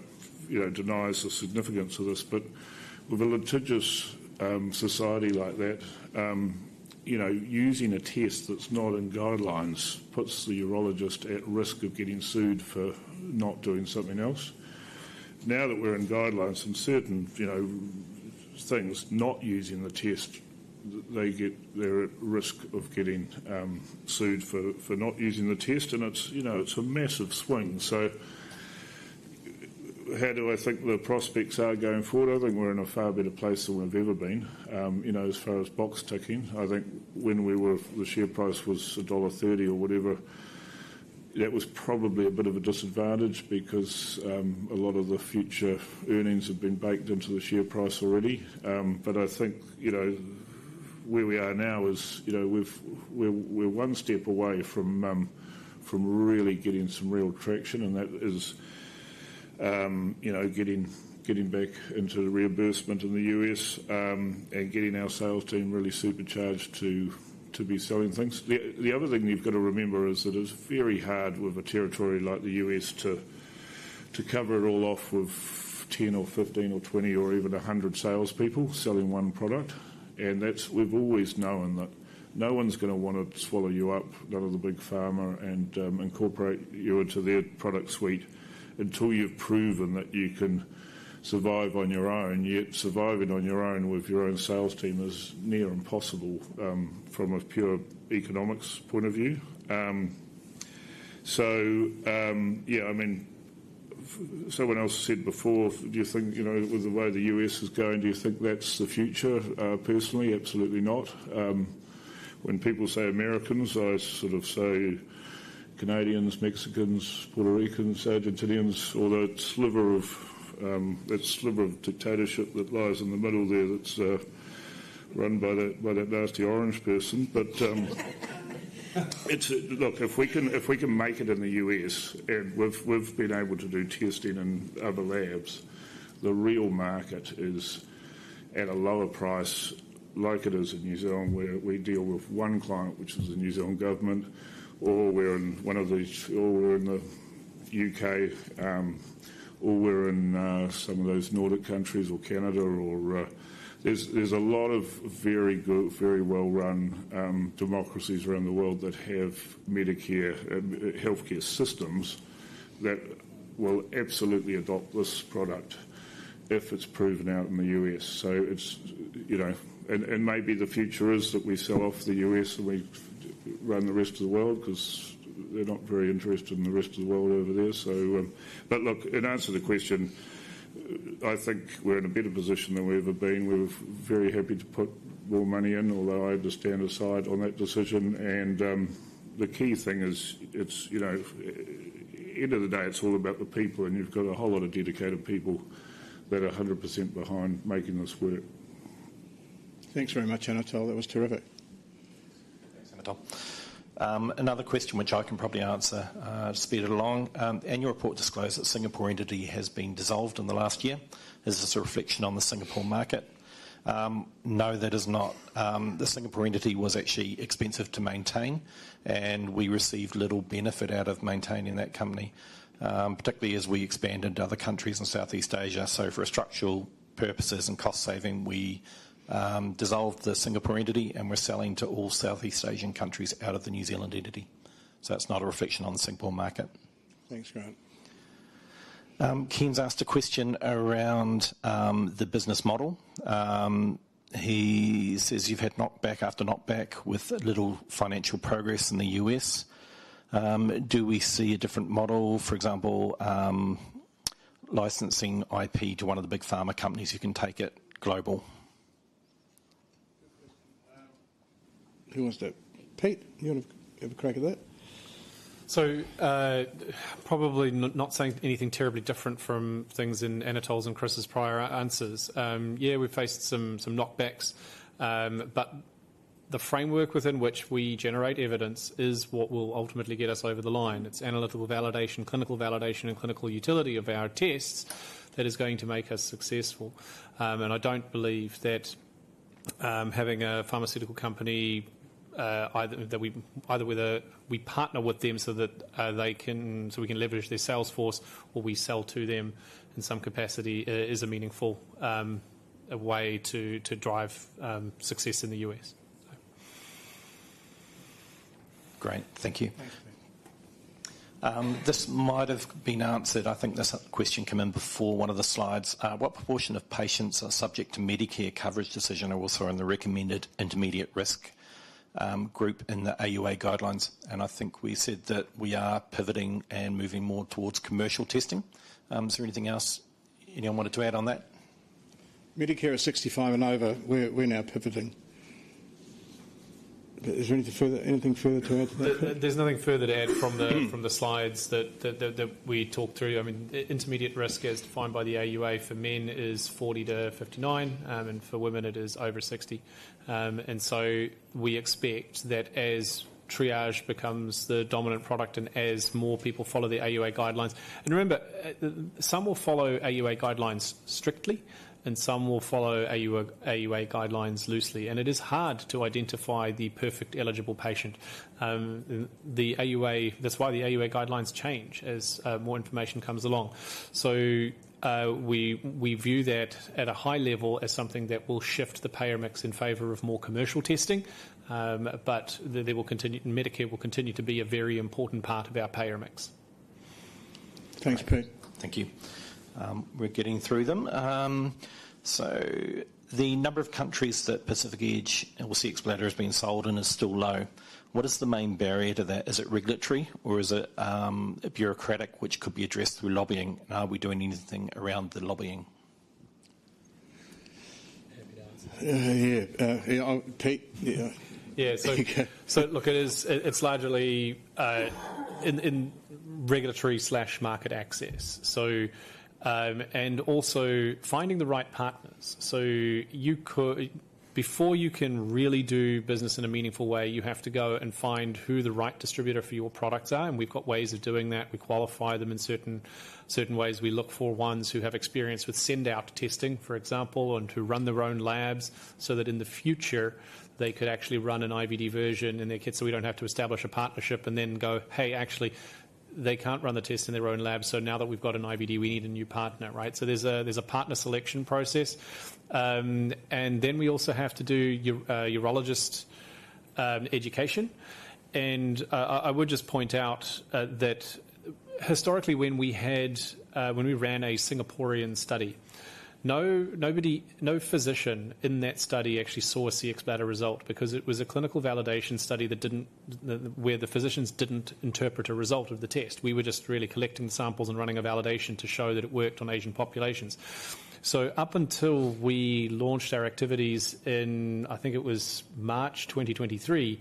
denies the significance of this. With a litigious society like that, using a test that's not in guidelines puts the urologist at risk of getting sued for not doing something else. Now that we're in guidelines and certain things, not using the test, they're at risk of getting sued for not using the test. It's a massive swing. How do I think the prospects are going forward? I think we're in a far better place than we've ever been. As far as box ticking, I think when we were, the share price was dollar 1.30 or whatever, that was probably a bit of a disadvantage because a lot of the future earnings had been baked into the share price already. I think where we are now is we're one step away from really getting some real traction. That is getting back into reimbursement in the U.S. and getting our sales team really supercharged to be selling things. The other thing you've got to remember is that it's very hard with a territory like the U.S. to cover it all off with 10 or 15 or 20 or even 100 salespeople selling one product. We've always known that no one's going to want to swallow you up, another big pharma, and incorporate you into their product suite until you've proven that you can survive on your own. Yet surviving on your own with your own sales team is near impossible from a pure economics point of view. Someone else said before, do you think, with the way the U.S. is going, do you think that's the future? Personally, absolutely not. When people say Americans, I sort of say Canadians, Mexicans, Puerto Ricans, Argentinians, all that sliver of dictatorship that lies in the middle there that's run by that nasty orange person. If we can make it in the U.S. and we've been able to do testing in other labs, the real market is at a lower price like it is in New Zealand, where we deal with one client, which is the New Zealand government, or we're in one of these, or we're in the UK, or we're in some of those Nordic countries or Canada. There are a lot of very good, very well-run democracies around the world that have Medicare healthcare systems that will absolutely adopt this product if it's proven out in the U.S. Maybe the future is that we sell off the U.S. and we run the rest of the world because they're not very interested in the rest of the world over there. In answer to the question, I think we're in a better position than we've ever been. We're very happy to put more money in, although I understand a side on that decision. The key thing is, at the end of the day, it's all about the people. You've got a whole lot of dedicated people that are 100% behind making this work. Thanks very much, Anatole. That was terrific. Another question, which I can probably answer, speed it along. Your report disclosed that the Singapore Entity has been dissolved in the last year. Is this a reflection on the Singapore market? No, that is not. The Singapore Entity was actually expensive to maintain, and we received little benefit out of maintaining that company, particularly as we expanded to other countries in Southeast Asia. For structural purposes and cost saving, we dissolved the Singapore Entity, and we're selling to all Southeast Asian countries out of the New Zealand Entity. That's not a reflection on the Singapore market. Thanks, Grant. Ken's asked a question around the business model. He says you've had knockback after knockback with little financial progress in the U.S. Do we see a different model, for example, licensing IP to one of the big pharma companies who can take it global? Who was that? Peter, do you have a crack at that? I'm probably not saying anything terribly different from things in Anatole Masfen's and Chris Gallaher's prior answers. We've faced some knockbacks, but the framework within which we generate evidence is what will ultimately get us over the line. It's analytical validation, clinical validation, and clinical utility of our tests that is going to make us successful. I don't believe that having a pharmaceutical company, either we partner with them so that we can leverage their sales force, or we sell to them in some capacity, is a meaningful way to drive success in the U.S. Great. Thank you. This might have been answered. I think this question came in before one of the slides. What proportion of patients are subject to Medicare coverage decision or also in the recommended intermediate risk group in the AUA guidelines? I think we said that we are pivoting and moving more towards commercial testing. Is there anything else anyone wanted to add on that? Medicare is 65 years and over. We're now pivoting. Is there anything further to add to that? There's nothing further to add from the slides that we talked through. Intermediate risk, as defined by the AUA, for men is 40-59 years, and for women, it is over 60 years. We expect that as Triage becomes the dominant product and as more people follow the AUA guidelines, and remember, some will follow AUA guidelines strictly and some will follow AUA guidelines loosely. It is hard to identify the perfect eligible patient. That's why the AUA guidelines change as more information comes along. We view that at a high level as something that will shift the payer mix in favor of more commercial testing. They will continue, and Medicare will continue to be a very important part of our payer mix. Thanks, Pete. Thank you. We're getting through them. The number of countries that Pacific Edge and Cxbladder has been sold in is still low. What is the main barrier to that? Is it regulatory or is it bureaucratic, which could be addressed through lobbying? Are we doing anything around the lobbying? Yeah, Pete. Yeah, so look, it is, it's largely in regulatory slash market access. Also, finding the right partners. Before you can really do business in a meaningful way, you have to go and find who the right distributor for your products are. We've got ways of doing that. We qualify them in certain ways. We look for ones who have experience with send-out testing, for example, and to run their own labs so that in the future, they could actually run an IVD product in their kits. We don't have to establish a partnership and then go, hey, actually, they can't run the test in their own lab. Now that we've got an IVD product, we need a new partner, right? There's a partner selection process. We also have to do your urologist education. I would just point out that historically, when we ran a Singaporean study, no physician in that study actually saw a Cxbladder result because it was a clinical validation study where the physicians didn't interpret a result of the test. We were just really collecting samples and running a validation to show that it worked on Asian populations. Up until we launched our activities in, I think it was March 2023,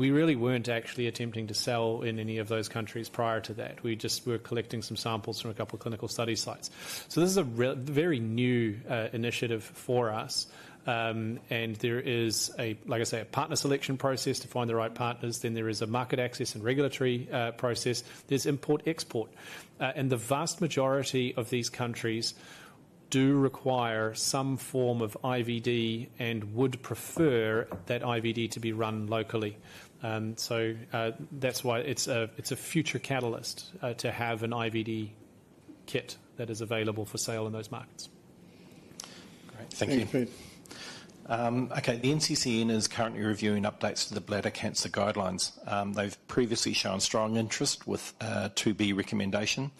we really weren't actually attempting to sell in any of those countries prior to that. We just were collecting some samples from a couple of clinical study sites. This is a very new initiative for us. There is, like I say, a partner selection process to find the right partners. There is a market access and regulatory process. There's import-export. The vast majority of these countries do require some form of IVD product and would prefer that IVD product to be run locally. That's why it's a future catalyst to have an IVD kit that is available for sale in those markets. Great. Thank you. Thanks, Pete. Okay. The NCCN is currently reviewing updates to the bladder cancer guidelines. They've previously shown strong interest with a 2B recommendation.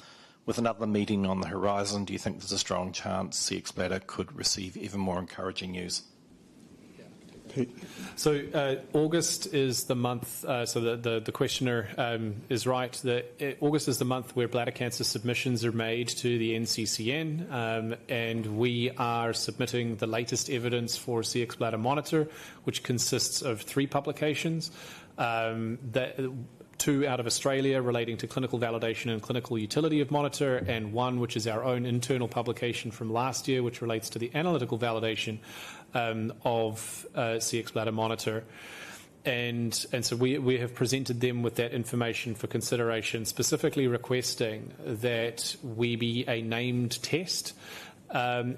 With another meeting on the horizon, do you think there's a strong chance Cxbladder could receive even more encouraging use? Yeah, Pete. August is the month, so the questioner is right, that August is the month where bladder cancer submissions are made to the NCCN. We are submitting the latest evidence for Cxbladder Monitor, which consists of three publications, two out of Australia relating to clinical validation and clinical utility of Monitor, and one which is our own internal publication from last year, which relates to the analytical validation of Cxbladder Monitor. We have presented them with that information for consideration, specifically requesting that we be a named test.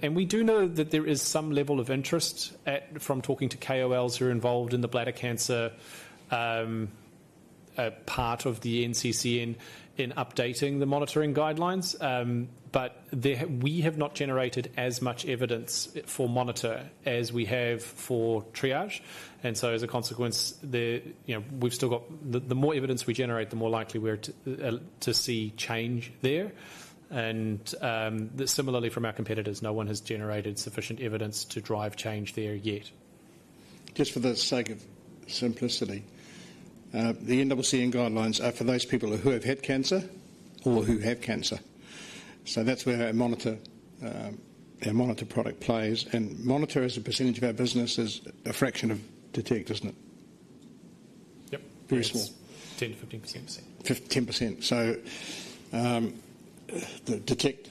We do know that there is some level of interest from talking to KOLs who are involved in the bladder cancer part of the NCCN in updating the monitoring guidelines. We have not generated as much evidence for Monitor as we have for Triage. As a consequence, the more evidence we generate, the more likely we're to see change there. Similarly, from our competitors, no one has generated sufficient evidence to drive change there yet. Just for the sake of simplicity, the NWCN guidelines are for those people who have had cancer or who have cancer. That's where our Monitor product plays. Monitor, as a percentage of our business, is a fraction of Detect, isn't it? Yep. Very small. 10%-15%. 15%. The Detect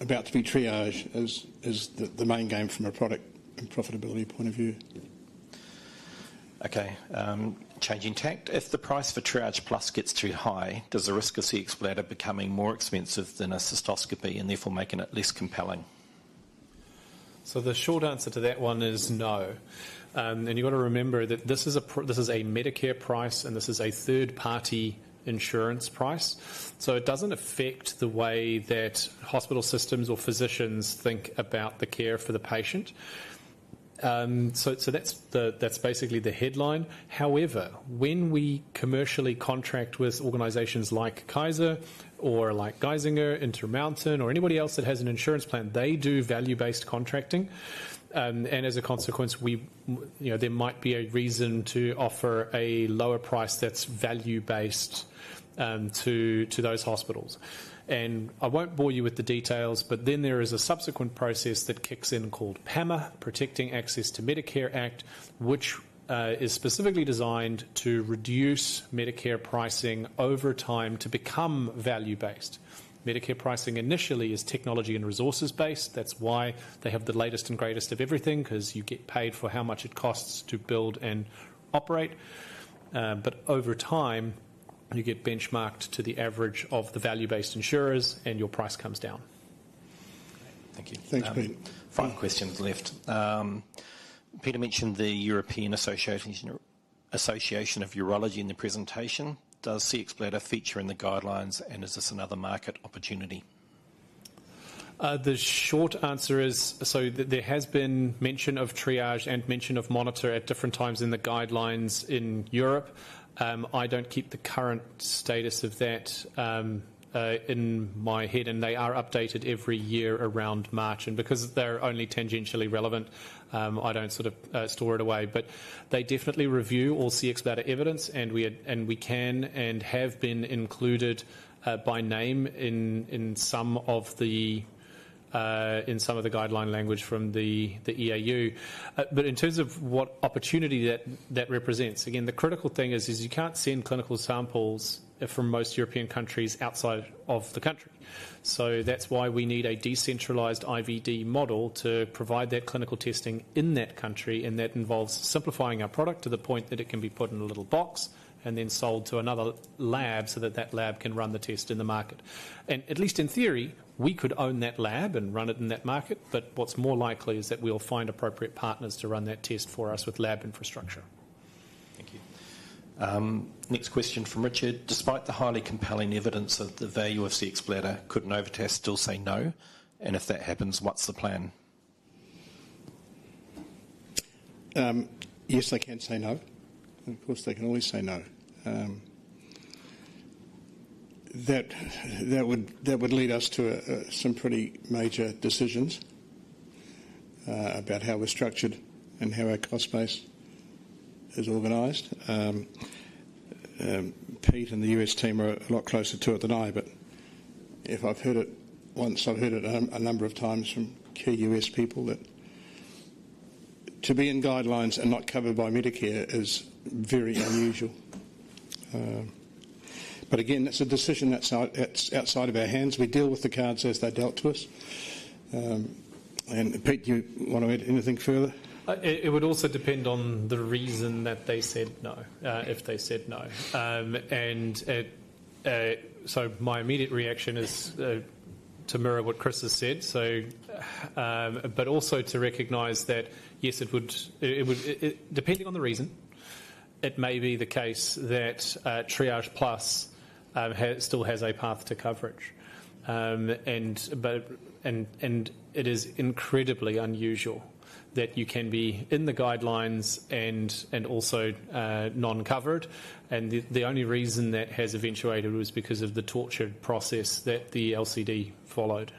about to be Triage is the main game from a product and profitability point of view. Okay. Changing tact. If the price for Triage-Plus gets too high, does the risk of Cxbladder becoming more expensive than a cystoscopy and therefore making it less compelling? The short answer to that one is no. You've got to remember that this is a Medicare price and this is a third-party insurance price. It doesn't affect the way that hospital systems or physicians think about the care for the patient. That's basically the headline. However, when we commercially contract with organizations like Kaiser Permanente or like Geisinger, Intermountain, or anybody else that has an insurance plan, they do value-based contracting. As a consequence, there might be a reason to offer a lower price that's value-based to those hospitals. I won't bore you with the details, but then there is a subsequent process that kicks in called PAMA, Protecting Access to Medicare Act, which is specifically designed to reduce Medicare pricing over time to become value-based. Medicare pricing initially is technology and resources-based. That's why they have the latest and greatest of everything, because you get paid for how much it costs to build and operate. Over time, you get benchmarked to the average of the value-based insurers and your price comes down. Thank you. Thanks, Pete. Five questions left. Peter mentioned the European Association of Urology in the presentation. Does Cxbladder feature in the guidelines, and is this another market opportunity? The short answer is, there has been mention of Cxbladder Triage and mention of Cxbladder Monitor at different times in the guidelines in Europe. I don't keep the current status of that in my head, and they are updated every year around March. Because they're only tangentially relevant, I don't sort of store it away. They definitely review all Cxbladder evidence, and we can and have been included by name in some of the guideline language from the EAU. In terms of what opportunity that represents, again, the critical thing is you can't send clinical samples from most European countries outside of the country. That's why we need a decentralized IVD model to provide that clinical testing in that country. That involves simplifying our product to the point that it can be put in a little box and then sold to another lab so that lab can run the test in the market. At least in theory, we could own that lab and run it in that market. What's more likely is that we'll find appropriate partners to run that test for us with lab infrastructure. Thank you. Next question from Richard. Despite the highly compelling evidence of the value of Cxbladder, could Novitas still say no? If that happens, what's the plan? Yes, they can say no. Of course, they can always say no. That would lead us to some pretty major decisions about how we're structured and how our cost base is organized. Pete and the U.S. team are a lot closer to it than I, but if I've heard it once, I've heard it a number of times from key U.S. people that to be in guidelines and not covered by Medicare is very unusual. Again, that's a decision that's outside of our hands. We deal with the cards as they're dealt to us. Pete, do you want to add anything further? It would also depend on the reason that they said no, if they said no. My immediate reaction is to mirror what Chris has said, but also to recognize that, yes, it would, depending on the reason, it may be the case that Triage-Plus still has a path to coverage. It is incredibly unusual that you can be in the guidelines and also non-covered. The only reason that has eventuated was because of the tortured process that the LCD followed,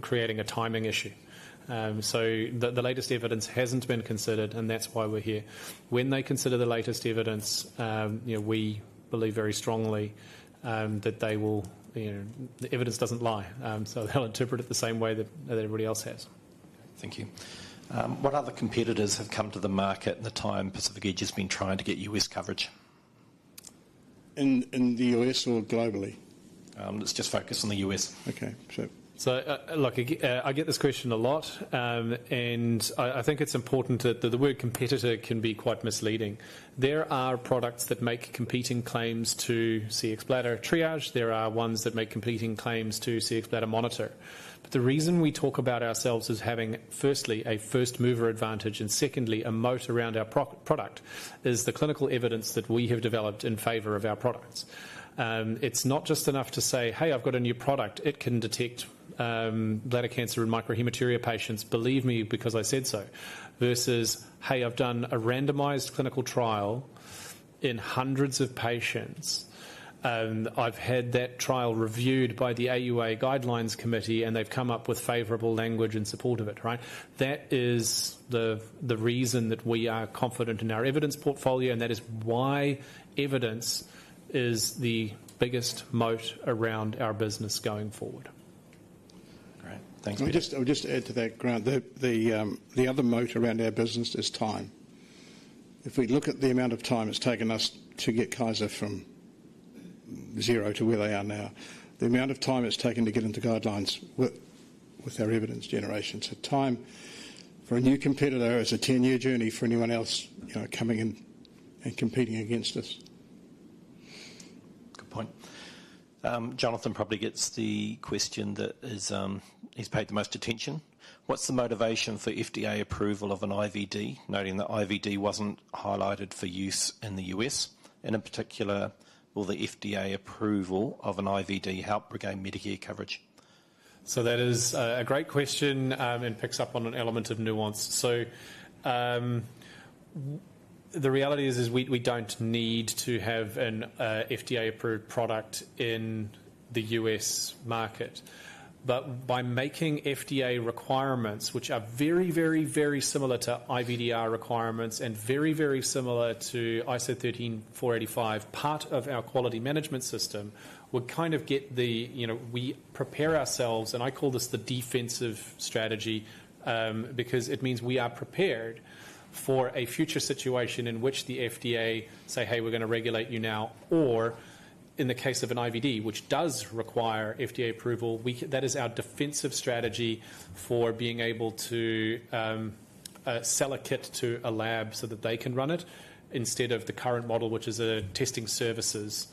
creating a timing issue. The latest evidence hasn't been considered, and that's why we're here. When they consider the latest evidence, we believe very strongly that they will. The evidence doesn't lie, so they'll interpret it the same way that everybody else has. Thank you. What other competitors have come to the market in the time Pacific Edge has been trying to get U.S. coverage? In the U.S. or globally? Let's just focus on the U.S. Okay. Sure. I get this question a lot. I think it's important that the word competitor can be quite misleading. There are products that make competing claims to Cxbladder Triage. There are ones that make competing claims to Cxbladder Monitor. The reason we talk about ourselves as having, firstly, a first-mover advantage and secondly, a moat around our product is the clinical evidence that we have developed in favor of our products. It's not just enough to say, "Hey, I've got a new product. It can detect bladder cancer in microhematuria patients. Believe me, because I said so." Versus, "Hey, I've done a randomized clinical trial in hundreds of patients. I've had that trial reviewed by the AUA Guidelines Committee, and they've come up with favorable language in support of it." That is the reason that we are confident in our evidence portfolio, and that is why evidence is the biggest moat around our business going forward. Great. Thanks, Pete. I would just add to that, Grant, the other moat around our business is time. If we look at the amount of time it's taken us to get Kaiser Permanente from zero to where they are now, the amount of time it's taken to get into guidelines with our evidence generation, time for a new competitor is a 10-year journey for anyone else coming in and competing against us. Good point. Jonathan probably gets the question that he's paid the most attention. What's the motivation for FDA approval of an IVD, noting that IVD wasn't highlighted for use in the U.S.? In particular, will the FDA approval of an IVD help regain Medicare coverage? That is a great question and picks up on an element of nuance. The reality is we don't need to have an FDA-approved product in the U.S. market. By making FDA requirements, which are very, very, very similar to IVDR requirements and very, very similar to ISO 13485, part of our quality management system, we prepare ourselves. I call this the defensive strategy because it means we are prepared for a future situation in which the FDA says, "Hey, we're going to regulate you now." In the case of an IVD product, which does require FDA approval, that is our defensive strategy for being able to sell a kit to a lab so that they can run it instead of the current model, which is testing services.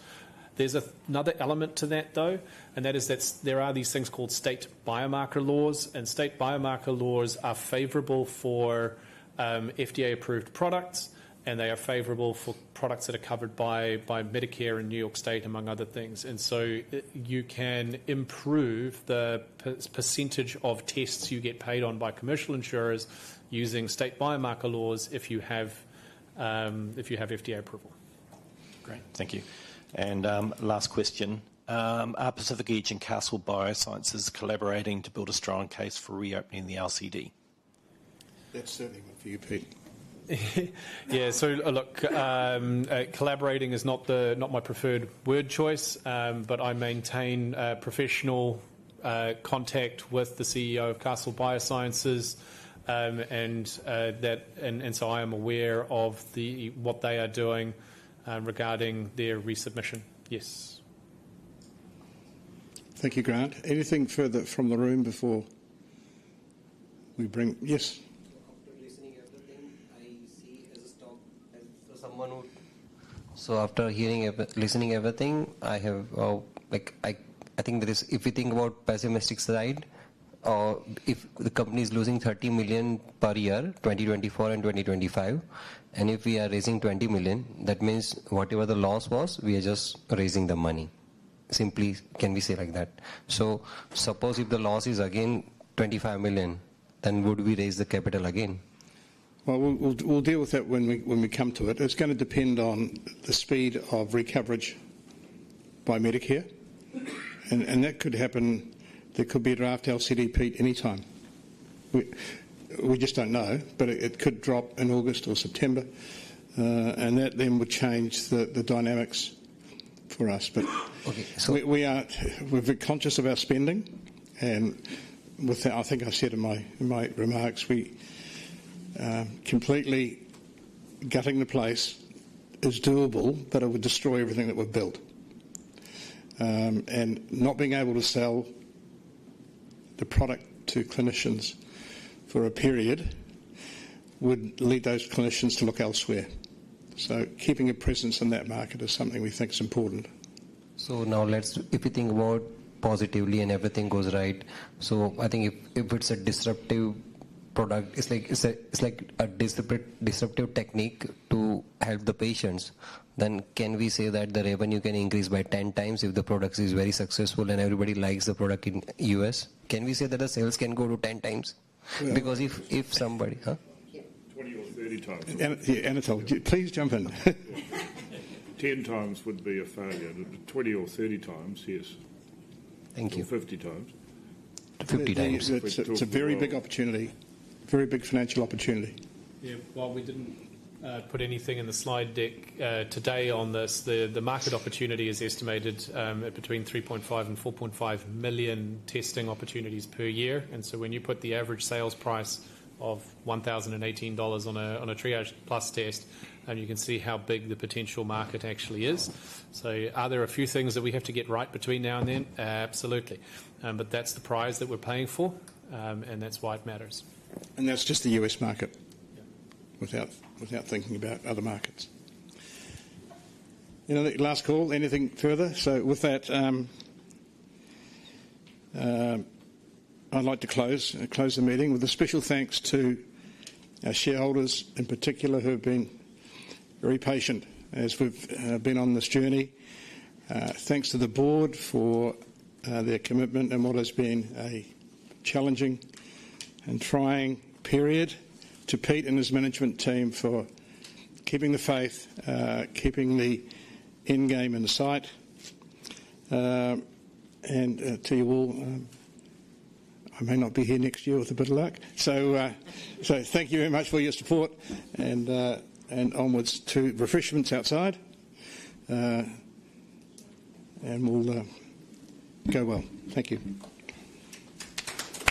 There's another element to that, though, and that is that there are these things called state biomarker laws. State biomarker laws are favorable for FDA-approved products, and they are favorable for products that are covered by Medicare and New York State, among other things. You can improve the % of tests you get paid on by commercial insurers using state biomarker laws if you have FDA approval. Great. Thank you. Last question. Are Pacific Edge and Castle Biosciences collaborating to build a strong case for reopening the LCD? That's setting a few, Peter. Yeah, collaborating is not my preferred word choice, but I maintain professional contact with the CEO of Castle Biosciences, and I am aware of what they are doing regarding their resubmission. Yes. Thank you, Grant. Anything further from the room before we bring? Yes. After listening to everything, I see it as a storm, as someone would. After hearing, listening to everything, I think that if we think about the pessimistic side, if the company is losing 30 million per year, 2024 and 2025, and if we are raising 20 million, that means whatever the loss was, we are just raising the money. Can we simply say it like that? Suppose if the loss is again 25 million, then would we raise the capital again? It's going to depend on the speed of recoverage by Medicare. That could happen. There could be a draft LCD, Pete, anytime. We just don't know, but it could drop in August or September. That then would change the dynamics for us. We are conscious of our spending. I think I said in my remarks, completely gutting the place is doable, but it would destroy everything that we've built. Not being able to sell the product to clinicians for a period would lead those clinicians to look elsewhere. Keeping a presence in that market is something we think is important. If you think about positively and everything goes right, I think if it's a disruptive product, it's like a disruptive technique to help the patients, then can we say that the revenue can increase by 10x if the product is very successful and everybody likes the product in the U.S.? Can we say that our sales can go to 10x? Because if somebody... 20 or 30x. Anatole, please jump in. 10x would be a failure. 20 or 30x, yes. Thank you. 50x. 50x. It's a very big opportunity, very big financial opportunity. While we didn't put anything in the slide deck today on this, the market opportunity is estimated between 3.5 and 4.5 million testing opportunities per year. When you put the average sales price of $1,018 on a Triage-Plus test, you can see how big the potential market actually is. There are a few things that we have to get right between now and then, absolutely. That's the prize that we're paying for, and that's why it matters. That's just the U.S. market, yeah, without thinking about other markets. Last call, anything further? With that, I'd like to close the meeting with a special thanks to our shareholders in particular who have been very patient as we've been on this journey. Thanks to the board for their commitment and what has been a challenging and trying period, to Pete and his management team for keeping the faith, keeping the end game in sight. To you all, I may not be here next year with a bit of luck. Thank you very much for your support and onwards to refreshments outside. We'll go well. Thank you.